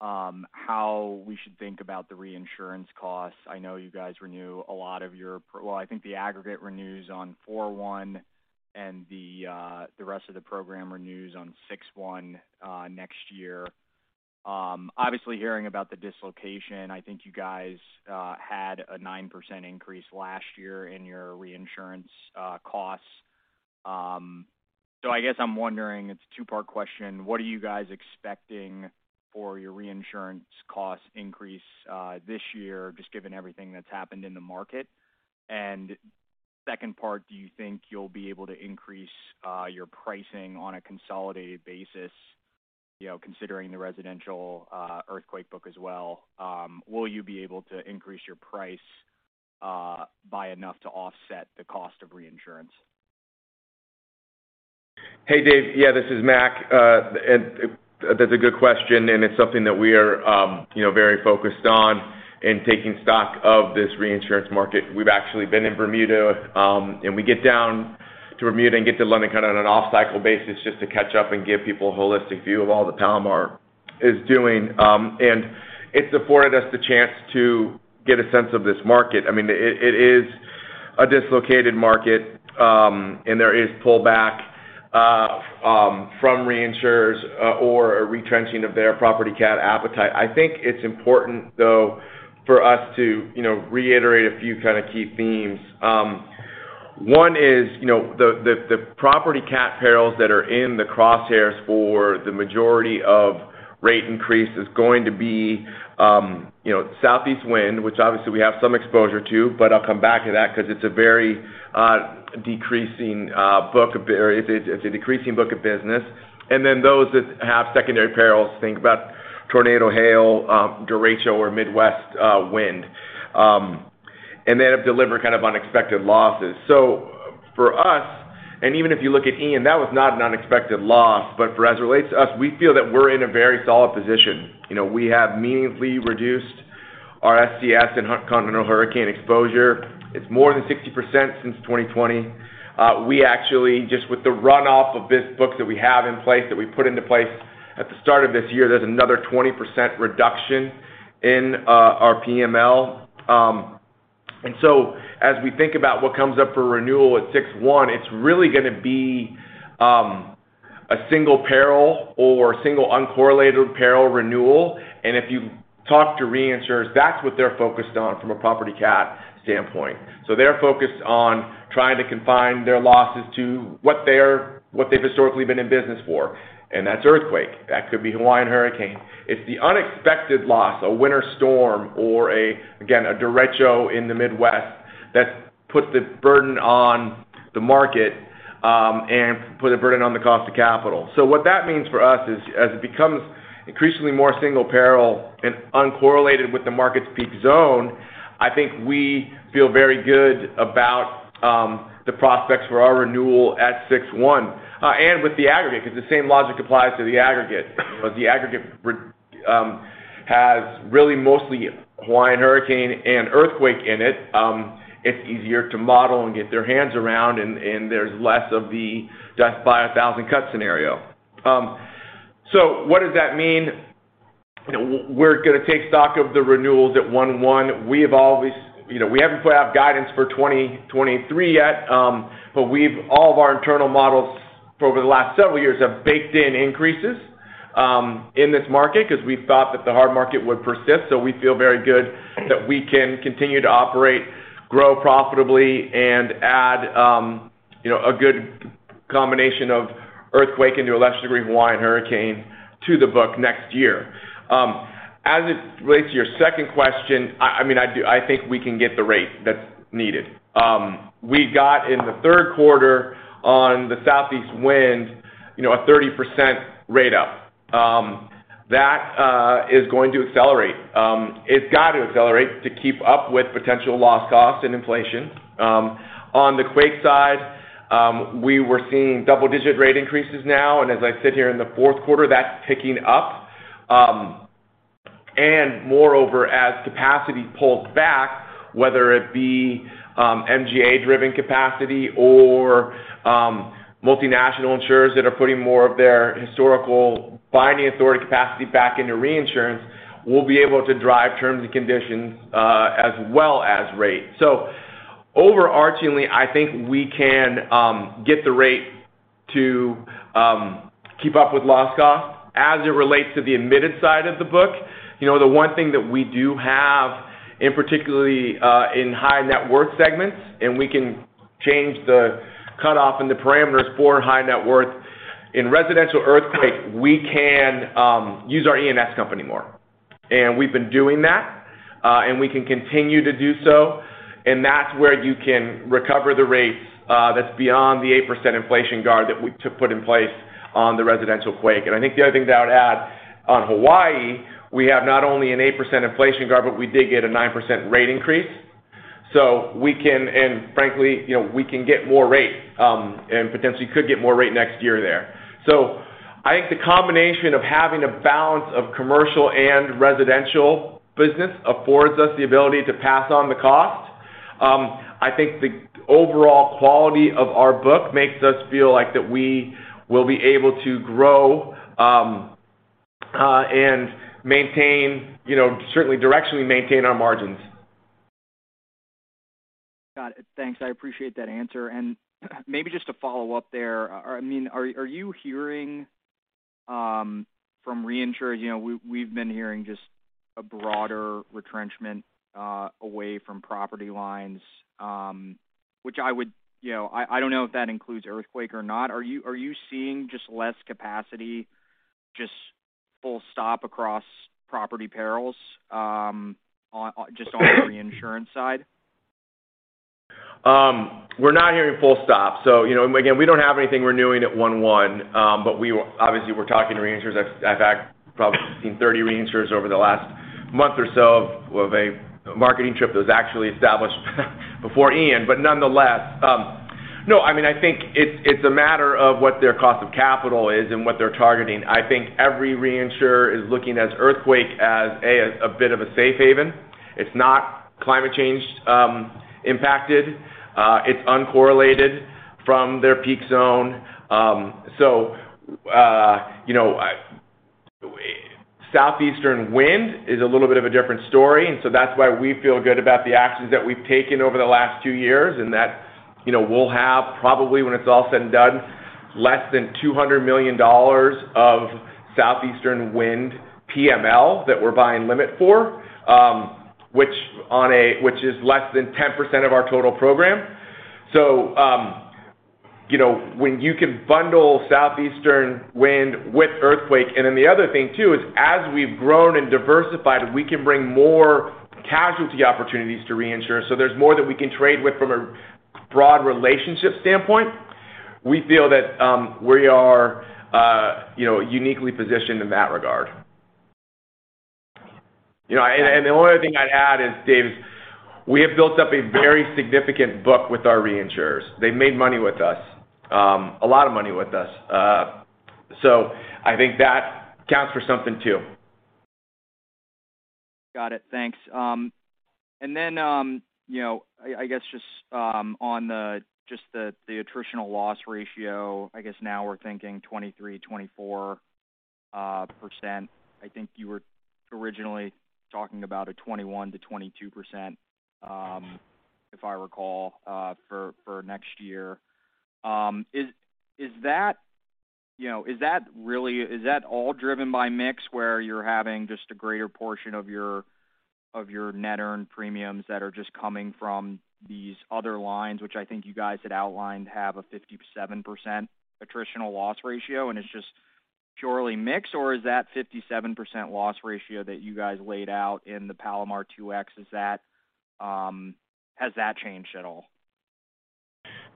how we should think about the reinsurance costs. I know you guys renew a lot of your—Well, I think the aggregate renews on 4/1 and the rest of the program renews on 6/1 next year. Obviously hearing about the dislocation, I think you guys had a 9% increase last year in your reinsurance costs. I guess I'm wondering, it's a two-part question. What are you guys expecting for your reinsurance cost increase this year, just given everything that's happened in the market? Second part, do you think you'll be able to increase your pricing on a consolidated basis, you know, considering the residential earthquake book as well? Will you be able to increase your price by enough to offset the cost of reinsurance? Hey, Dave. Yeah, this is Mac. That's a good question, and it's something that we are, you know, very focused on in taking stock of this reinsurance market. We've actually been in Bermuda, and we get down to Bermuda and get to London, kind of on an off-cycle basis just to catch up and give people a holistic view of all that Palomar is doing. It's afforded us the chance to get a sense of this market. I mean, it is a dislocated market, and there is pullback from reinsurers or a retrenching of their property cat appetite. I think it's important, though, for us to, you know, reiterate a few kind of key themes. One is, you know, the property cat perils that are in the crosshairs for the majority of rate increase is going to be, you know, southeast wind, which obviously we have some exposure to, but I'll come back to that 'cause it's a very decreasing book of business. Those that have secondary perils, think about tornado, hail, derecho or Midwest wind, and that have delivered kind of unexpected losses. For us, even if you look at Ian, that was not an unexpected loss, but as it relates to us, we feel that we're in a very solid position. You know, we have meaningfully reduced our E&S and U.S. continental hurricane exposure, it's more than 60% since 2020. We actually, just with the runoff of this book that we have in place, that we put into place at the start of this year, there's another 20% reduction in our PML. As we think about what comes up for renewal at 6/1, it's really gonna be a single peril or single uncorrelated peril renewal. If you talk to reinsurers, that's what they're focused on from a property cat standpoint. They're focused on trying to confine their losses to what they've historically been in business for, and that's earthquake. That could be Hawaiian hurricane. It's the unexpected loss, a winter storm or, again, a derecho in the Midwest that puts the burden on the market, and put a burden on the cost of capital. What that means for us is, as it becomes increasingly more single peril and uncorrelated with the market's peak zone, I think we feel very good about the prospects for our renewal at 6/1, and with the aggregate, 'cause the same logic applies to the aggregate. You know, the aggregate has really mostly Hawaiian hurricane and earthquake in it. It's easier to model and get their hands around, and there's less of the death by a thousand cuts scenario. What does that mean? You know, we're gonna take stock of the renewals at 1/1. We have you know, we haven't put out guidance for 2023 yet, but all of our internal models for over the last several years have baked in increases in this market because we thought that the hard market would persist. We feel very good that we can continue to operate, grow profitably, and add, you know, a good combination of earthquake and, to a lesser degree, Hawaiian hurricane to the book next year. As it relates to your second question, I mean, I think we can get the rate that's needed. We got in the third quarter on the southeast wind, you know, a 30% rate up. That is going to accelerate. It's got to accelerate to keep up with potential loss costs and inflation. On the quake side, we were seeing double-digit rate increases now, and as I sit here in the fourth quarter, that's ticking up. Moreover, as capacity pulls back, whether it be MGA-driven capacity or multinational insurers that are putting more of their historical binding authority capacity back into reinsurance, we'll be able to drive terms and conditions as well as rate. Overarchingly, I think we can get the rate to keep up with loss costs. As it relates to the admitted side of the book, you know, the one thing that we do have, and particularly in high net worth segments, and we can change the cutoff and the parameters for high net worth, in residential earthquake, we can use our E&S company more. We've been doing that, and we can continue to do so, and that's where you can recover the rates, that's beyond the 8% inflation guard that we put in place on the residential quake. I think the other thing that I would add, on Hawaii, we have not only an 8% inflation guard, but we did get a 9% rate increase. We can and frankly, you know, we can get more rate, and potentially could get more rate next year there. I think the combination of having a balance of commercial and residential business affords us the ability to pass on the cost. I think the overall quality of our book makes us feel like that we will be able to grow and maintain, you know, certainly directionally maintain our margins. Got it. Thanks. I appreciate that answer. Maybe just to follow up there, I mean, are you hearing from reinsurers, you know, we've been hearing just a broader retrenchment away from property lines. You know, I don't know if that includes earthquake or not. Are you seeing just less capacity, just full stop across property perils, on the reinsurance side? We're not hearing full stop. You know, again, we don't have anything renewing at 1/1, but we obviously were talking to reinsurers. I've probably seen 30 reinsurers over the last month or so of a marketing trip that was actually established before Ian. Nonetheless, no, I mean, I think it's a matter of what their cost of capital is and what they're targeting. I think every reinsurer is looking at earthquake as a bit of a safe haven. It's not climate change impacted. It's uncorrelated from their peak zone. You know, southeastern wind is a little bit of a different story, and that's why we feel good about the actions that we've taken over the last two years and that, you know, we'll have probably, when it's all said and done, less than $200 million of southeastern wind PML that we're buying limit for, which is less than 10% of our total program. You know, when you can bundle southeastern wind with earthquake, and then the other thing too is, as we've grown and diversified, we can bring more casualty opportunities to reinsurers. There's more that we can trade with from a broad relationship standpoint. We feel that we are, you know, uniquely positioned in that regard. You know, the only other thing I'd add is, Dave, we have built up a very significant book with our reinsurers. They've made money with us, a lot of money with us. I think that counts for something too. Got it. Thanks. You know, I guess just on the attritional loss ratio, I guess now we're thinking 23%-24%. I think you were originally talking about a 21%-22%, if I recall, for next year. Is that you know, is that all driven by mix where you're having just a greater portion of your net earned premiums that are just coming from these other lines, which I think you guys had outlined have a 57% attritional loss ratio and it's just purely mix? Or is that 57% loss ratio that you guys laid out in the Palomar 2X, has that changed at all?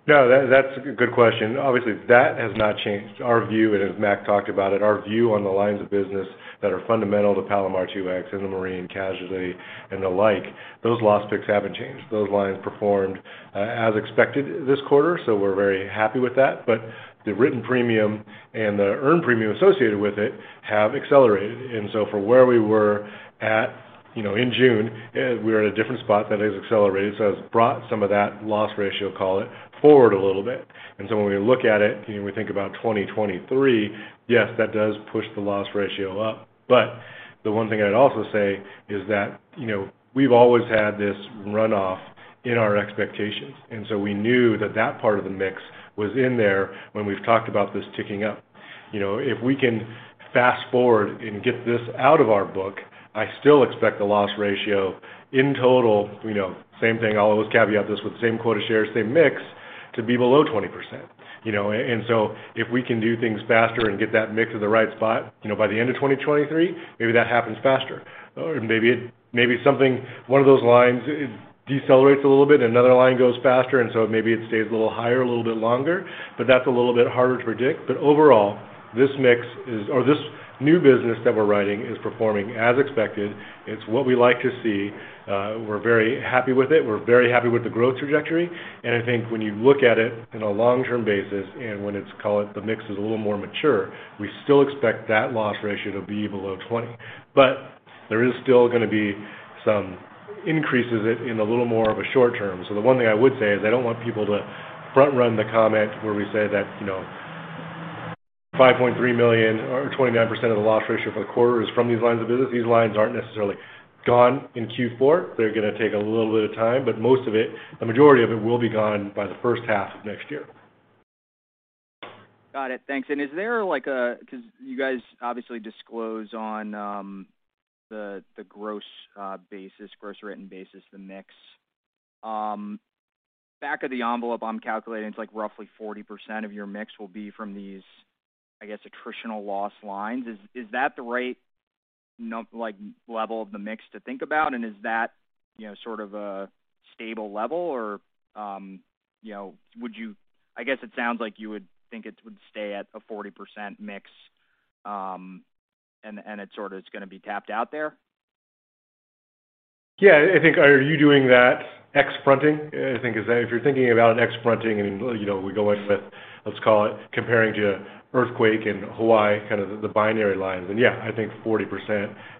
No, that's a good question. Obviously, that has not changed. Our view, and as Mac talked about it, our view on the lines of business that are fundamental to Palomar 2X and the marine and casualty and the like, those loss picks haven't changed. Those lines performed as expected this quarter, so we're very happy with that. But the written premium and the earned premium associated with it have accelerated. For where we were at, you know, in June, we're at a different spot that has accelerated, so it's brought some of that loss ratio, call it, forward a little bit. When we look at it, you know, we think about 2023, yes, that does push the loss ratio up. The one thing I'd also say is that, you know, we've always had this runoff in our expectations, and so we knew that that part of the mix was in there when we've talked about this ticking up. You know, if we can fast-forward and get this out of our book, I still expect the loss ratio in total, you know, same thing, I'll always caveat this with same quota shares, same mix, to be below 20%, you know? If we can do things faster and get that mix at the right spot, you know, by the end of 2023, maybe that happens faster. Maybe something, one of those lines decelerates a little bit and another line goes faster, and so maybe it stays a little higher a little bit longer, but that's a little bit harder to predict. Overall, this mix is or this new business that we're writing is performing as expected. It's what we like to see. We're very happy with it. We're very happy with the growth trajectory. I think when you look at it in a long-term basis and when it's, call it, the mix is a little more mature, we still expect that loss ratio to be below 20. There is still gonna be some increases in a little more of a short term. The one thing I would say is I don't want people to front run the comment where we say that, you know, $5.3 million or 29% of the loss ratio for the quarter is from these lines of business. These lines aren't necessarily gone in Q4. They're gonna take a little bit of time, but most of it, the majority of it will be gone by the first half of next year. Got it. Thanks. Is there like a 'cause you guys obviously disclose on the gross basis, gross written basis, the mix. Back of the envelope, I'm calculating it's like roughly 40% of your mix will be from these, I guess, attritional loss lines. Is that the right like level of the mix to think about? Is that, you know, sort of a stable level or you know would you I guess it sounds like you would think it would stay at a 40% mix and it sort of is gonna be capped out there. Yeah. I think, are you doing that excess fronting? I think, is that if you're thinking about an excess fronting and, you know, we go with, let's call it, comparing to earthquake in Hawaii, kind of the binary lines. Yeah, I think 40%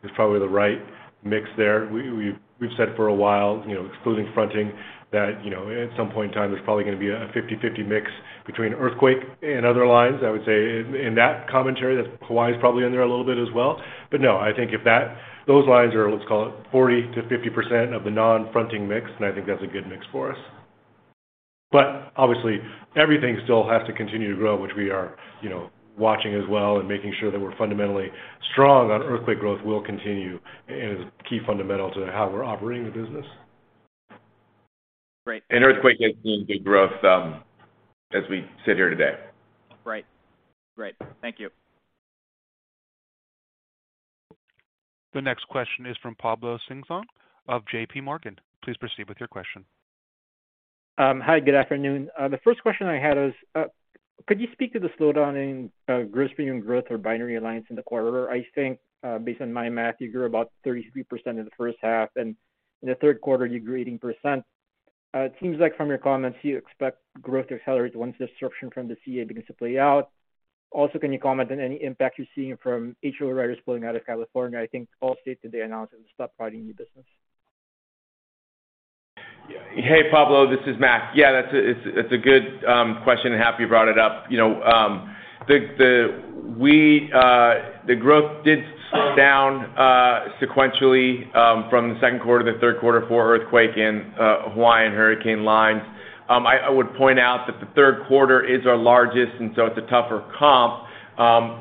is probably the right mix there. We've said for a while, you know, excluding fronting that, you know, at some point in time, there's probably gonna be a 50/50 mix between earthquake and other lines. I would say in that commentary, that Hawaii is probably in there a little bit as well. No, I think if those lines are, let's call it, 40%-50% of the non-fronting mix, and I think that's a good mix for us. Obviously everything still has to continue to grow, which we are, you know, watching as well and making sure that we're fundamentally strong on earthquake growth, which will continue and is key fundamental to how we're operating the business. Great. Earthquake has seen good growth, as we sit here today. Great. Thank you. The next question is from Pablo Singzon of JPMorgan. Please proceed with your question. Hi, good afternoon. The first question I had is, could you speak to the slowdown in gross premium growth or Bermuda alliance in the quarter? I think, based on my math, you grew about 33% in the first half, and in the third quarter, you grew 18%. It seems like from your comments you expect growth to accelerate once disruption from the CEA begins to play out. Also, can you comment on any impact you're seeing from HO writers pulling out of California? I think Allstate today announced it will stop writing new business. Yeah. Hey, Pablo, this is Mac. Yeah, that's a good question. Happy you brought it up. You know, the growth did slow down sequentially from the second quarter to the third quarter for earthquake in Hawaii and hurricane lines. I would point out that the third quarter is our largest, and so it's a tougher comp.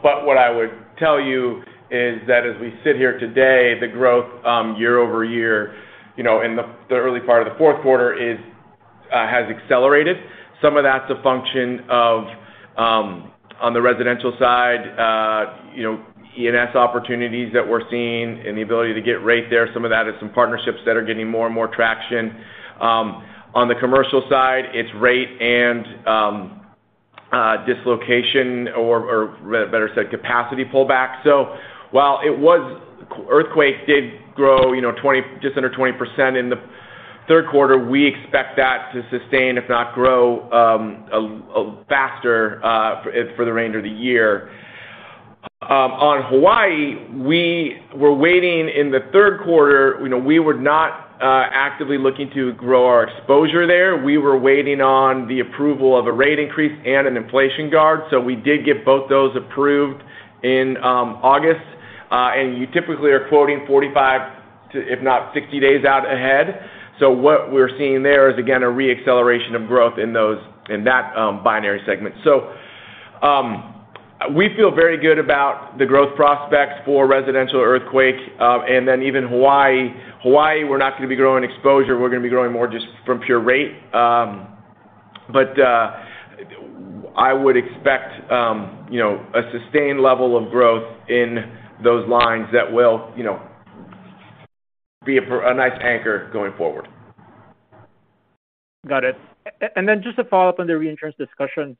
What I would tell you is that as we sit here today, the growth year-over-year, you know, in the early part of the fourth quarter has accelerated. Some of that's a function of on the residential side, you know, ENS opportunities that we're seeing and the ability to get rate there. Some of that is some partnerships that are getting more and more traction. On the commercial side, it's rate and dislocation or better said, capacity pullback. While our earthquake did grow, you know, just under 20% in the third quarter, we expect that to sustain, if not grow at a faster for the remainder of the year. On Hawaii, we were waiting in the third quarter. You know, we were not actively looking to grow our exposure there. We were waiting on the approval of a rate increase and an inflation guard. We did get both those approved in August. And you typically are quoting 45-60 days out ahead. What we're seeing there is, again, a re-acceleration of growth in those, in that binary segment. We feel very good about the growth prospects for residential earthquake, and then even Hawaii. Hawaii, we're not gonna be growing exposure, we're gonna be growing more just from pure rate. But I would expect, you know, a sustained level of growth in those lines that will, you know, be a nice anchor going forward. Got it. Just to follow up on the reinsurance discussion.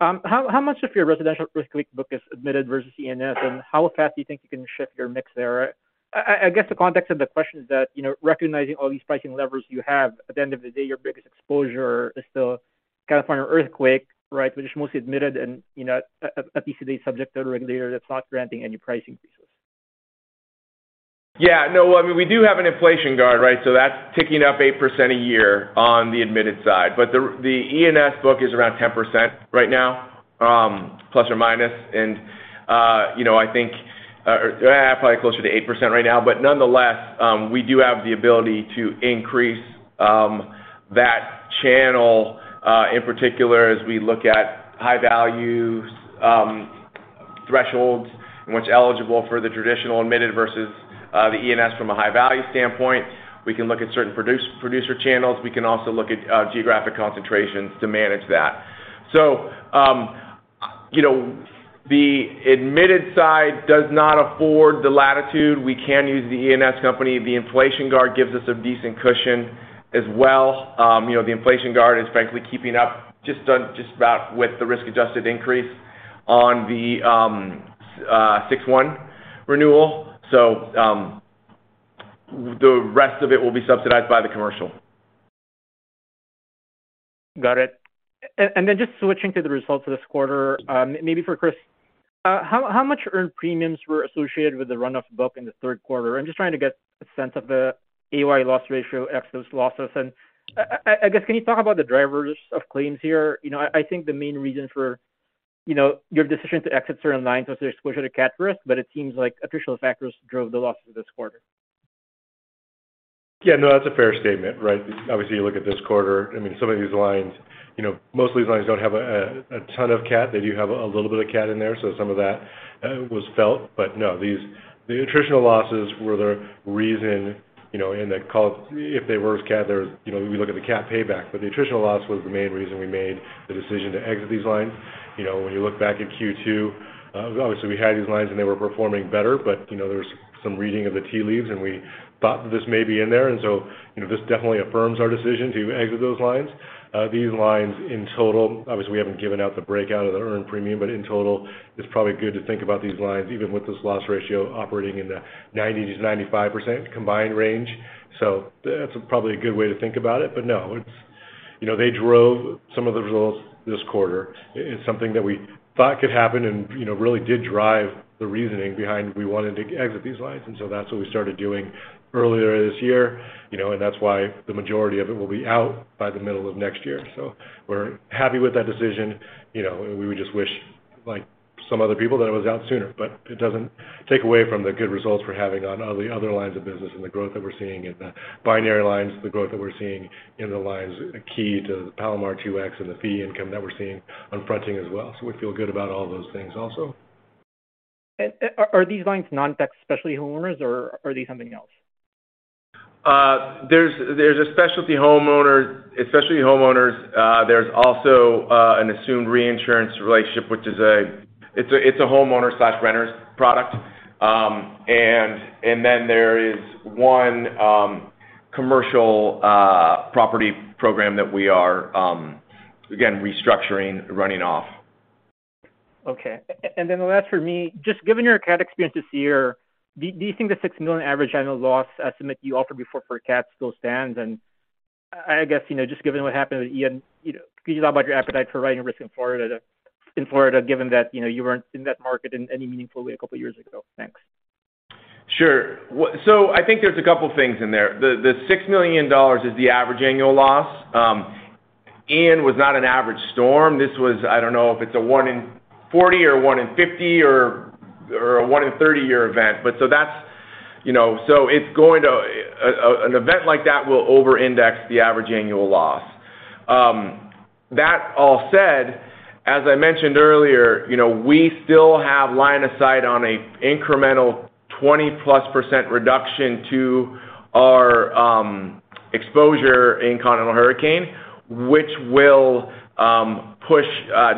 How much of your residential earthquake book is admitted versus E&S, and how fast do you think you can shift your mix there? I guess the context of the question is that, you know, recognizing all these pricing levers you have, at the end of the day, your biggest exposure is still California earthquake, right? Which is mostly admitted and, you know, a piece of it subject to the regulator that's not granting any price increases. Yeah, no. I mean, we do have an inflation guard, right? That's ticking up 8% a year on the admitted side. The ENS book is around 10% right now, plus or minus. You know, I think probably closer to 8% right now. Nonetheless, we do have the ability to increase that channel, in particular as we look at high values thresholds and what's eligible for the traditional admitted versus the ENS from a high value standpoint. We can look at certain producer channels. We can also look at geographic concentrations to manage that. You know, the admitted side does not afford the latitude. We can use the ENS company. The inflation guard gives us a decent cushion as well. You know, the inflation guard is frankly keeping up just about with the risk-adjusted increase on the 61 renewal. The rest of it will be subsidized by the commercial. Got it. Just switching to the results for this quarter, maybe for Chris. How much earned premiums were associated with the run-off book in the third quarter? I'm just trying to get a sense of the AOY loss ratio, ex those losses. I guess, can you talk about the drivers of claims here? You know, I think the main reason for, you know, your decision to exit certain lines was the exposure to cat risk, but it seems like attritional factors drove the losses this quarter. Yeah, no, that's a fair statement, right? Obviously, you look at this quarter, I mean, some of these lines, you know, most of these lines don't have a ton of cat. They do have a little bit of cat in there, so some of that was felt. No, these, the attritional losses were the reason, you know, in the call, if they were with cat there was, you know, we look at the cat payback. The attritional loss was the main reason we made the decision to exit these lines. You know, when you look back at Q2, obviously we had these lines and they were performing better. You know, there's some reading of the tea leaves, and we thought that this may be in there. You know, this definitely affirms our decision to exit those lines. These lines in total, obviously, we haven't given out the breakdown of the earned premium, but in total, it's probably good to think about these lines, even with this loss ratio operating in the 90%-95% combined range. That's probably a good way to think about it. No, it's, you know, they drove some of the results this quarter. It's something that we thought could happen and, you know, really did drive the reasoning behind we wanted to exit these lines. That's what we started doing earlier this year. You know, that's why the majority of it will be out by the middle of next year. We're happy with that decision. You know, we would just wish, like some other people, that it was out sooner. It doesn't take away from the good results we're having on all the other lines of business and the growth that we're seeing in the binary lines, the growth that we're seeing in the lines key to the Palomar 2X and the fee income that we're seeing on fronting as well. We feel good about all those things also. Are these lines non-preferred specialty homeowners or are these something else? There's a specialty homeowners. There's also an assumed reinsurance relationship, which is, it's a homeowner/renters product. There is one commercial property program that we are again restructuring, running off. Okay. Then the last for me, just given your cat experience this year, do you think the $6 million average annual loss estimate you offered before for cat still stands? I guess, you know, just given what happened with Ian, you know, can you talk about your appetite for writing risk in Florida, given that, you know, you weren't in that market in any meaningful way a couple of years ago? Thanks. Sure. I think there's a couple of things in there. The $6 million is the average annual loss. Ian was not an average storm. This was, I don't know if it's a one in 40 or one in 50 or a one in 30 year event. That's an event like that will over-index the average annual loss. That all said, as I mentioned earlier, we still have line of sight on an incremental 20%+ reduction to our exposure in continental hurricane, which will push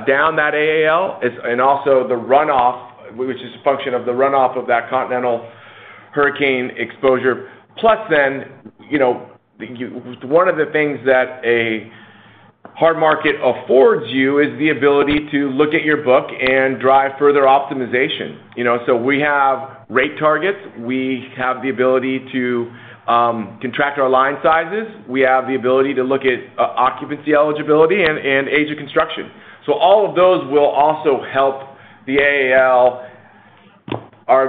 down that AAL. Also the runoff, which is a function of the runoff of that continental Hurricane exposure. You know, one of the things that a hard market affords you is the ability to look at your book and drive further optimization. You know, we have rate targets. We have the ability to contract our line sizes. We have the ability to look at occupancy eligibility and age of construction. All of those will also help the AAL, our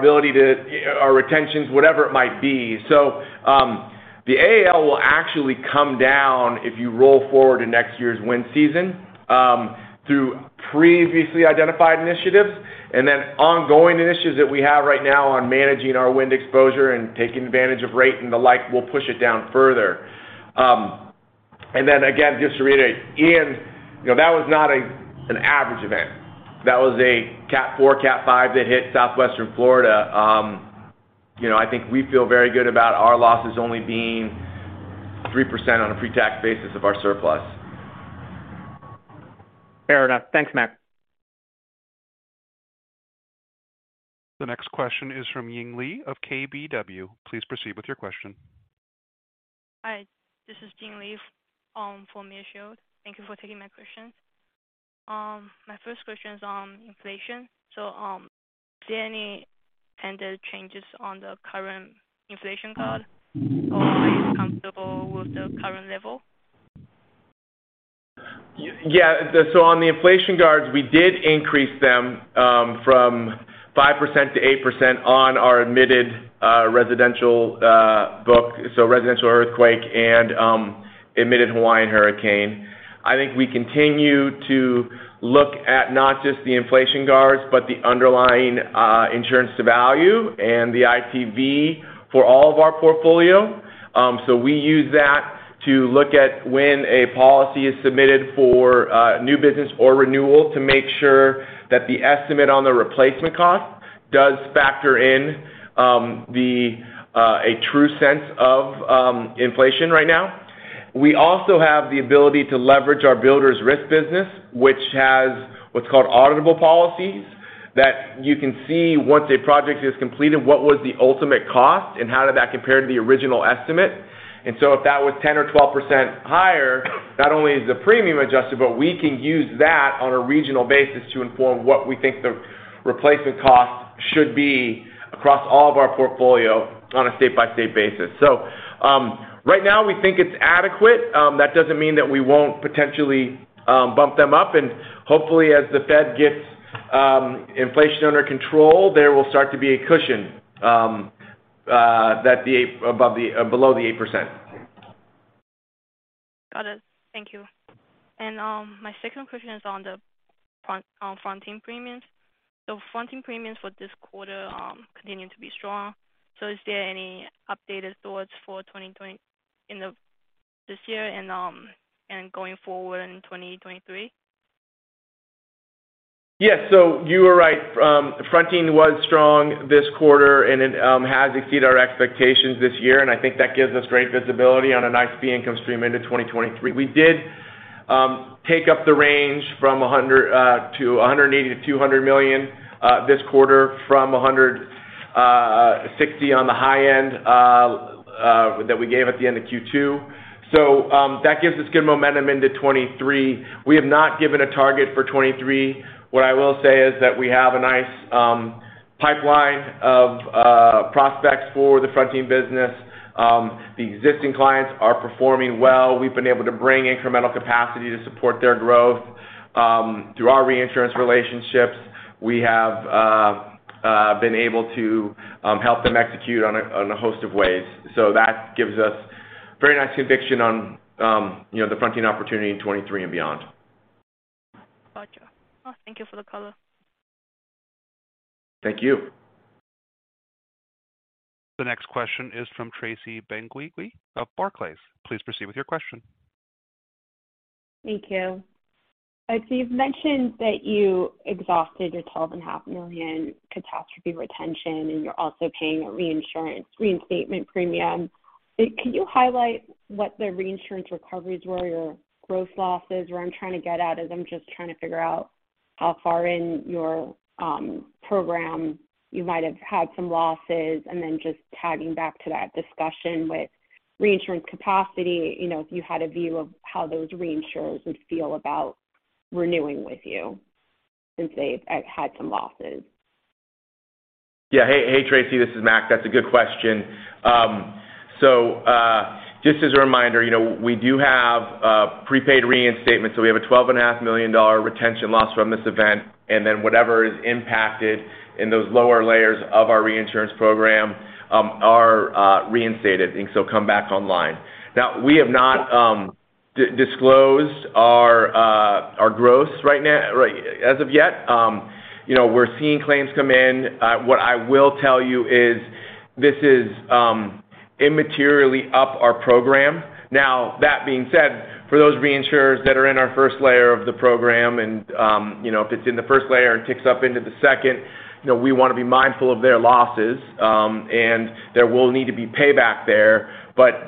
retentions, whatever it might be. The AAL will actually come down if you roll forward to next year's wind season through previously identified initiatives, and then ongoing initiatives that we have right now on managing our wind exposure and taking advantage of rate and the like will push it down further. Again, just to reiterate, Hurricane Ian, you know, that was not an average event. That was a Cat 4, Cat 5 that hit Southwestern Florida. You know, I think we feel very good about our losses only being 3% on a pre-tax basis of our surplus. Fair enough. Thanks, Mac. The next question is from Yilin Lee of KBW. Please proceed with your question. Hi, this is Yilin Lee from KBW. Thank you for taking my questions. My first question is on inflation. Is there any intended changes on the current inflation guard, or are you comfortable with the current level? Yeah. On the inflation guards, we did increase them from 5% to 8% on our admitted residential book, so residential earthquake and admitted Hawaiian hurricane. I think we continue to look at not just the inflation guards, but the underlying insurance to value and the ITV for all of our portfolio. We use that to look at when a policy is submitted for new business or renewal to make sure that the estimate on the replacement cost does factor in a true sense of inflation right now. We also have the ability to leverage our builders risk business, which has what's called auditable policies, that you can see once a project is completed, what was the ultimate cost and how did that compare to the original estimate. If that was 10% or 12% higher, not only is the premium adjusted, but we can use that on a regional basis to inform what we think the replacement cost should be across all of our portfolio on a state-by-state basis. Right now we think it's adequate. That doesn't mean that we won't potentially bump them up. Hopefully, as the Fed gets inflation under control, there will start to be a cushion below the 8%. Got it. Thank you. My second question is on fronting premiums. Fronting premiums for this quarter continue to be strong. Is there any updated thoughts for this year and going forward in 2023? Yes. You are right. Fronting was strong this quarter, and it has exceeded our expectations this year, and I think that gives us great visibility on a nice fee income stream into 2023. We did take up the range from $100 million to $180 million-$200 million this quarter from $160 million on the high end that we gave at the end of Q2. That gives us good momentum into 2023. We have not given a target for 2023. What I will say is that we have a nice pipeline of prospects for the fronting business. The existing clients are performing well. We've been able to bring incremental capacity to support their growth through our reinsurance relationships. We have been able to help them execute on a host of ways. That gives us very nice conviction on, you know, the fronting opportunity in 2023 and beyond. Gotcha. Thank you for the color. Thank you. The next question is from Tracy Benguigui of Barclays. Please proceed with your question. Thank you. You've mentioned that you exhausted your $12.5 million catastrophe retention, and you're also paying a reinsurance reinstatement premium. Could you highlight what the reinsurance recoveries were, your gross losses? Where I'm trying to get at is I'm just trying to figure out how far in your program you might have had some losses, and then just tagging back to that discussion with reinsurance capacity, you know, if you had a view of how those reinsurers would feel about renewing with you since they've had some losses. Hey, Tracy, this is Mac. That's a good question. Just as a reminder, you know, we do have prepaid reinstatement. We have a $12.5 million retention loss from this event, and then whatever is impacted in those lower layers of our reinsurance program are reinstated, and so come back online. Now, we have not disclosed our growth right now as of yet. You know, we're seeing claims come in. What I will tell you is this is immaterial to our program. Now, that being said, for those reinsurers that are in our first layer of the program and, you know, if it's in the first layer and ticks up into the second, you know, we want to be mindful of their losses, and there will need to be payback there.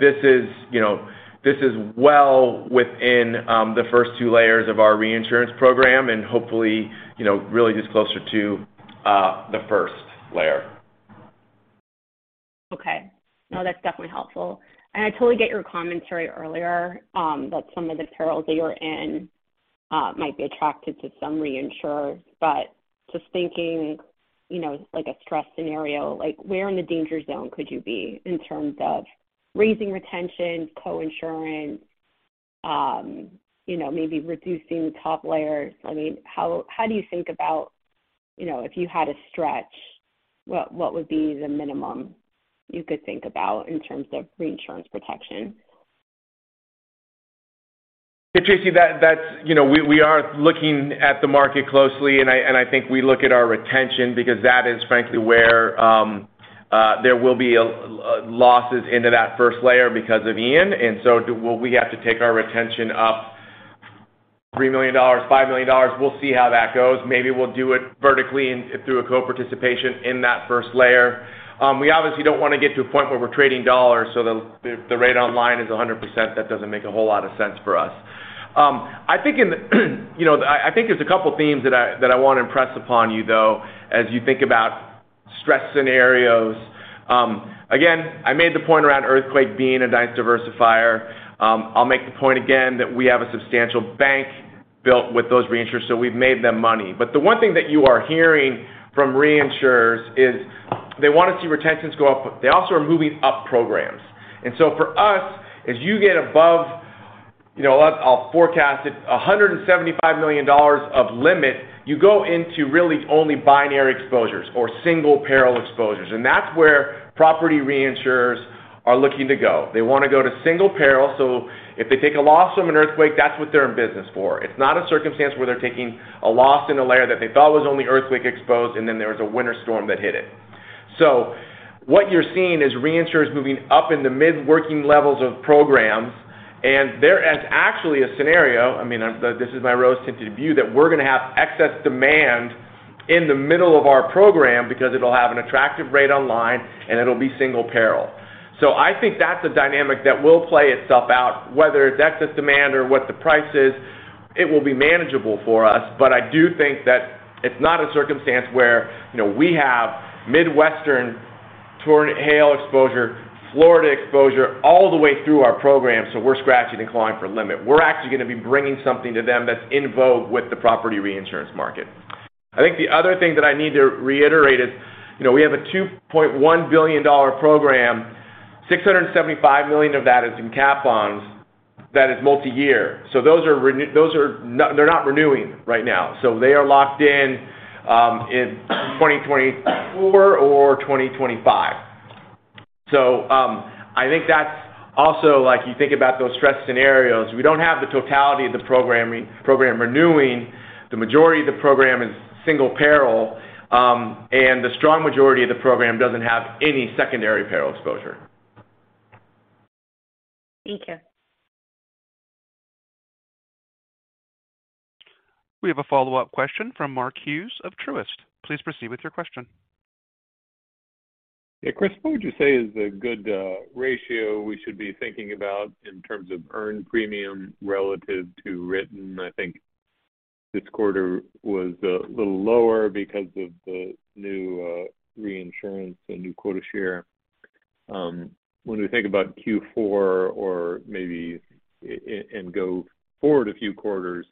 This is, you know, this is well within the first two layers of our reinsurance program and hopefully, you know, really just closer to the first layer. Okay. No, that's definitely helpful. I totally get your commentary earlier, that some of the perils that you're in might be attracted to some reinsurers. Just thinking, you know, like a stress scenario, like where in the danger zone could you be in terms of raising retention, coinsurance, you know, maybe reducing top layers. I mean, how do you think about, you know, if you had to stretch, what would be the minimum you could think about in terms of reinsurance protection? Hey, Tracy, that's, you know, we are looking at the market closely, and I think we look at our retention because that is frankly where there will be losses into that first layer because of Ian. Will we have to take our retention up $3 million, $5 million? We'll see how that goes. Maybe we'll do it vertically and through a coparticipation in that first layer. We obviously don't wanna get to a point where we're trading dollars, so the rate online is 100%. That doesn't make a whole lot of sense for us. I think in the, you know, I think there's a couple themes that I wanna impress upon you though, as you think about stress scenarios. Again, I made the point around earthquake being a nice diversifier. I'll make the point again that we have a substantial bank built with those reinsurers, so we've made them money. The one thing that you are hearing from reinsurers is they wanna see retentions go up, but they also are moving up programs. For us, as you get above, you know, I'll forecast it, $175 million of limit, you go into really only binary exposures or single peril exposures. That's where property reinsurers are looking to go. They wanna go to single peril. If they take a loss from an earthquake, that's what they're in business for. It's not a circumstance where they're taking a loss in a layer that they thought was only earthquake exposed, and then there was a winter storm that hit it. What you're seeing is reinsurers moving up in the mid-working levels of programs, and there is actually a scenario, I mean, this is my rose-tinted view, that we're gonna have excess demand in the middle of our program because it'll have an attractive rate on line, and it'll be single peril. I think that's a dynamic that will play itself out, whether excess demand or what the price is, it will be manageable for us. But I do think that it's not a circumstance where, you know, we have Midwestern tornado hail exposure, Florida exposure all the way through our program, so we're scratching and clawing for limit. We're actually gonna be bringing something to them that's in vogue with the property reinsurance market. I think the other thing that I need to reiterate is, you know, we have a $2.1 billion program, $675 million of that is in cat bonds that is multi-year. They're not renewing right now. They are locked in in 2024 or 2025. I think that's also like you think about those stress scenarios. We don't have the totality of the program renewing. The majority of the program is single peril, and the strong majority of the program doesn't have any secondary peril exposure. Thank you. We have a follow-up question from Mark Hughes of Truist. Please proceed with your question. Yeah. Chris, what would you say is a good ratio we should be thinking about in terms of earned premium relative to written? I think this quarter was a little lower because of the new reinsurance and new quota share. When we think about Q4 or maybe go forward a few quarters,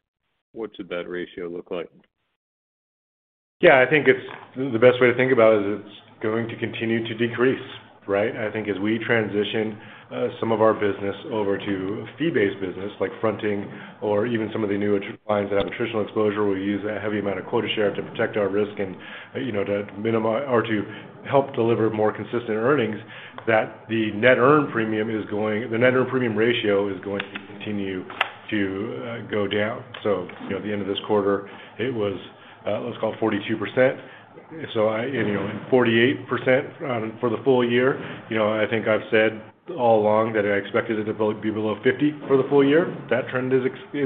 what's that ratio look like? Yeah, I think it's the best way to think about it is it's going to continue to decrease, right? I think as we transition some of our business over to fee-based business like fronting or even some of the newer lines that have attritional exposure, we use a heavy amount of quota share to protect our risk and, you know, to minimize or to help deliver more consistent earnings, that the net earned premium ratio is going to continue to go down. You know, at the end of this quarter, it was, let's call it 42%. You know, and 48% for the full year. You know, I think I've said all along that I expected it to be below 50% for the full year. That trend is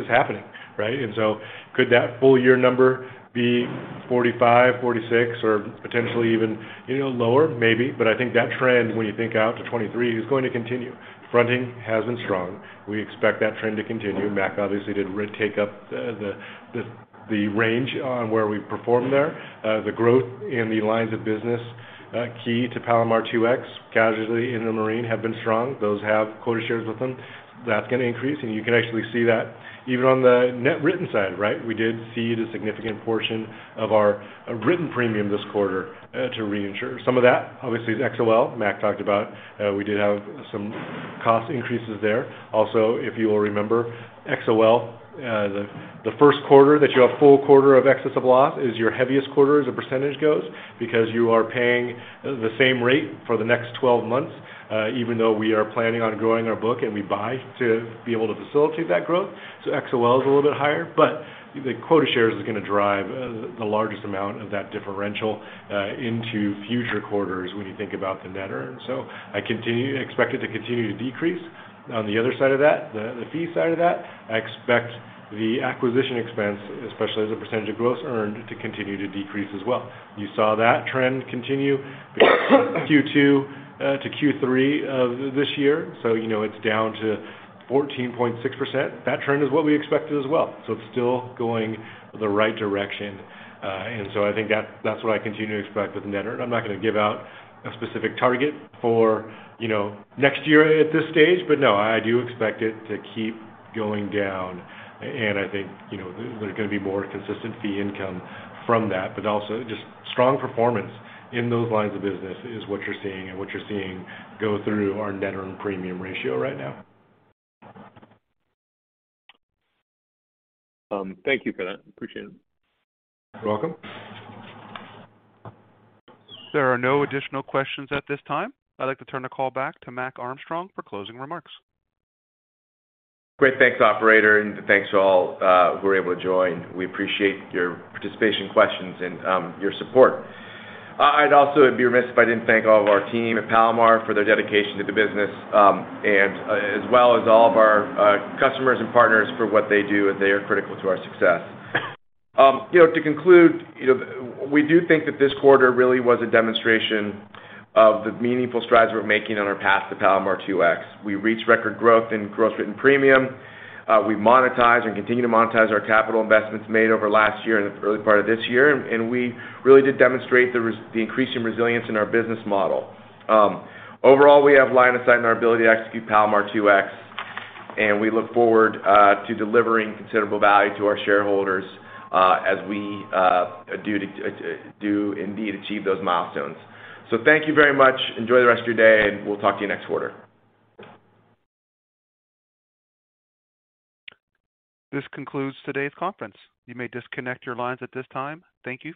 happening, right? Could that full year number be 45, 46 or potentially even, you know, lower? Maybe. I think that trend, when you think out to 2023, is going to continue. Fronting has been strong. We expect that trend to continue. Mac obviously did take up the range on where we perform there. The growth in the lines of business key to Palomar 2X, casualty, inland marine, have been strong. Those have quota shares with them. That's gonna increase, and you can actually see that even on the net written side, right? We did cede a significant portion of our written premium this quarter to reinsurers. Some of that obviously is XOL. Mac talked about, we did have some cost increases there. Also, if you will remember, XOL, the first quarter that you have full quarter of excess of loss is your heaviest quarter as the percentage goes because you are paying the same rate for the next 12 months, even though we are planning on growing our book and we buy to be able to facilitate that growth. XOL is a little bit higher, but the quota shares is gonna drive the largest amount of that differential into future quarters when you think about the net earned. I expect it to continue to decrease. On the other side of that, the fee side of that, I expect the acquisition expense, especially as a percentage of gross earned, to continue to decrease as well. You saw that trend continue Q2 to Q3 of this year. You know, it's down to 14.6%. That trend is what we expected as well. It's still going the right direction. I think that's what I continue to expect with net earned. I'm not gonna give out a specific target for, you know, next year at this stage, but no, I do expect it to keep going down. I think, you know, there's gonna be more consistent fee income from that, but also just strong performance in those lines of business is what you're seeing and what you're seeing go through our net earned premium ratio right now. Thank you for that. Appreciate it. You're welcome. There are no additional questions at this time. I'd like to turn the call back to Mac Armstrong for closing remarks. Great. Thanks, operator, and thanks to all who were able to join. We appreciate your participation, questions, and your support. I'd also be remiss if I didn't thank all of our team at Palomar for their dedication to the business, and as well as all of our customers and partners for what they do, as they are critical to our success. You know, to conclude, you know, we do think that this quarter really was a demonstration of the meaningful strides we're making on our path to Palomar 2X. We reached record growth in gross written premium. We monetized and continue to monetize our capital investments made over last year and the early part of this year. We really did demonstrate the increasing resilience in our business model. Overall, we have line of sight in our ability to execute Palomar 2X, and we look forward to delivering considerable value to our shareholders, as we do indeed achieve those milestones. Thank you very much. Enjoy the rest of your day, and we'll talk to you next quarter. This concludes today's conference. You may disconnect your lines at this time. Thank you for your participation.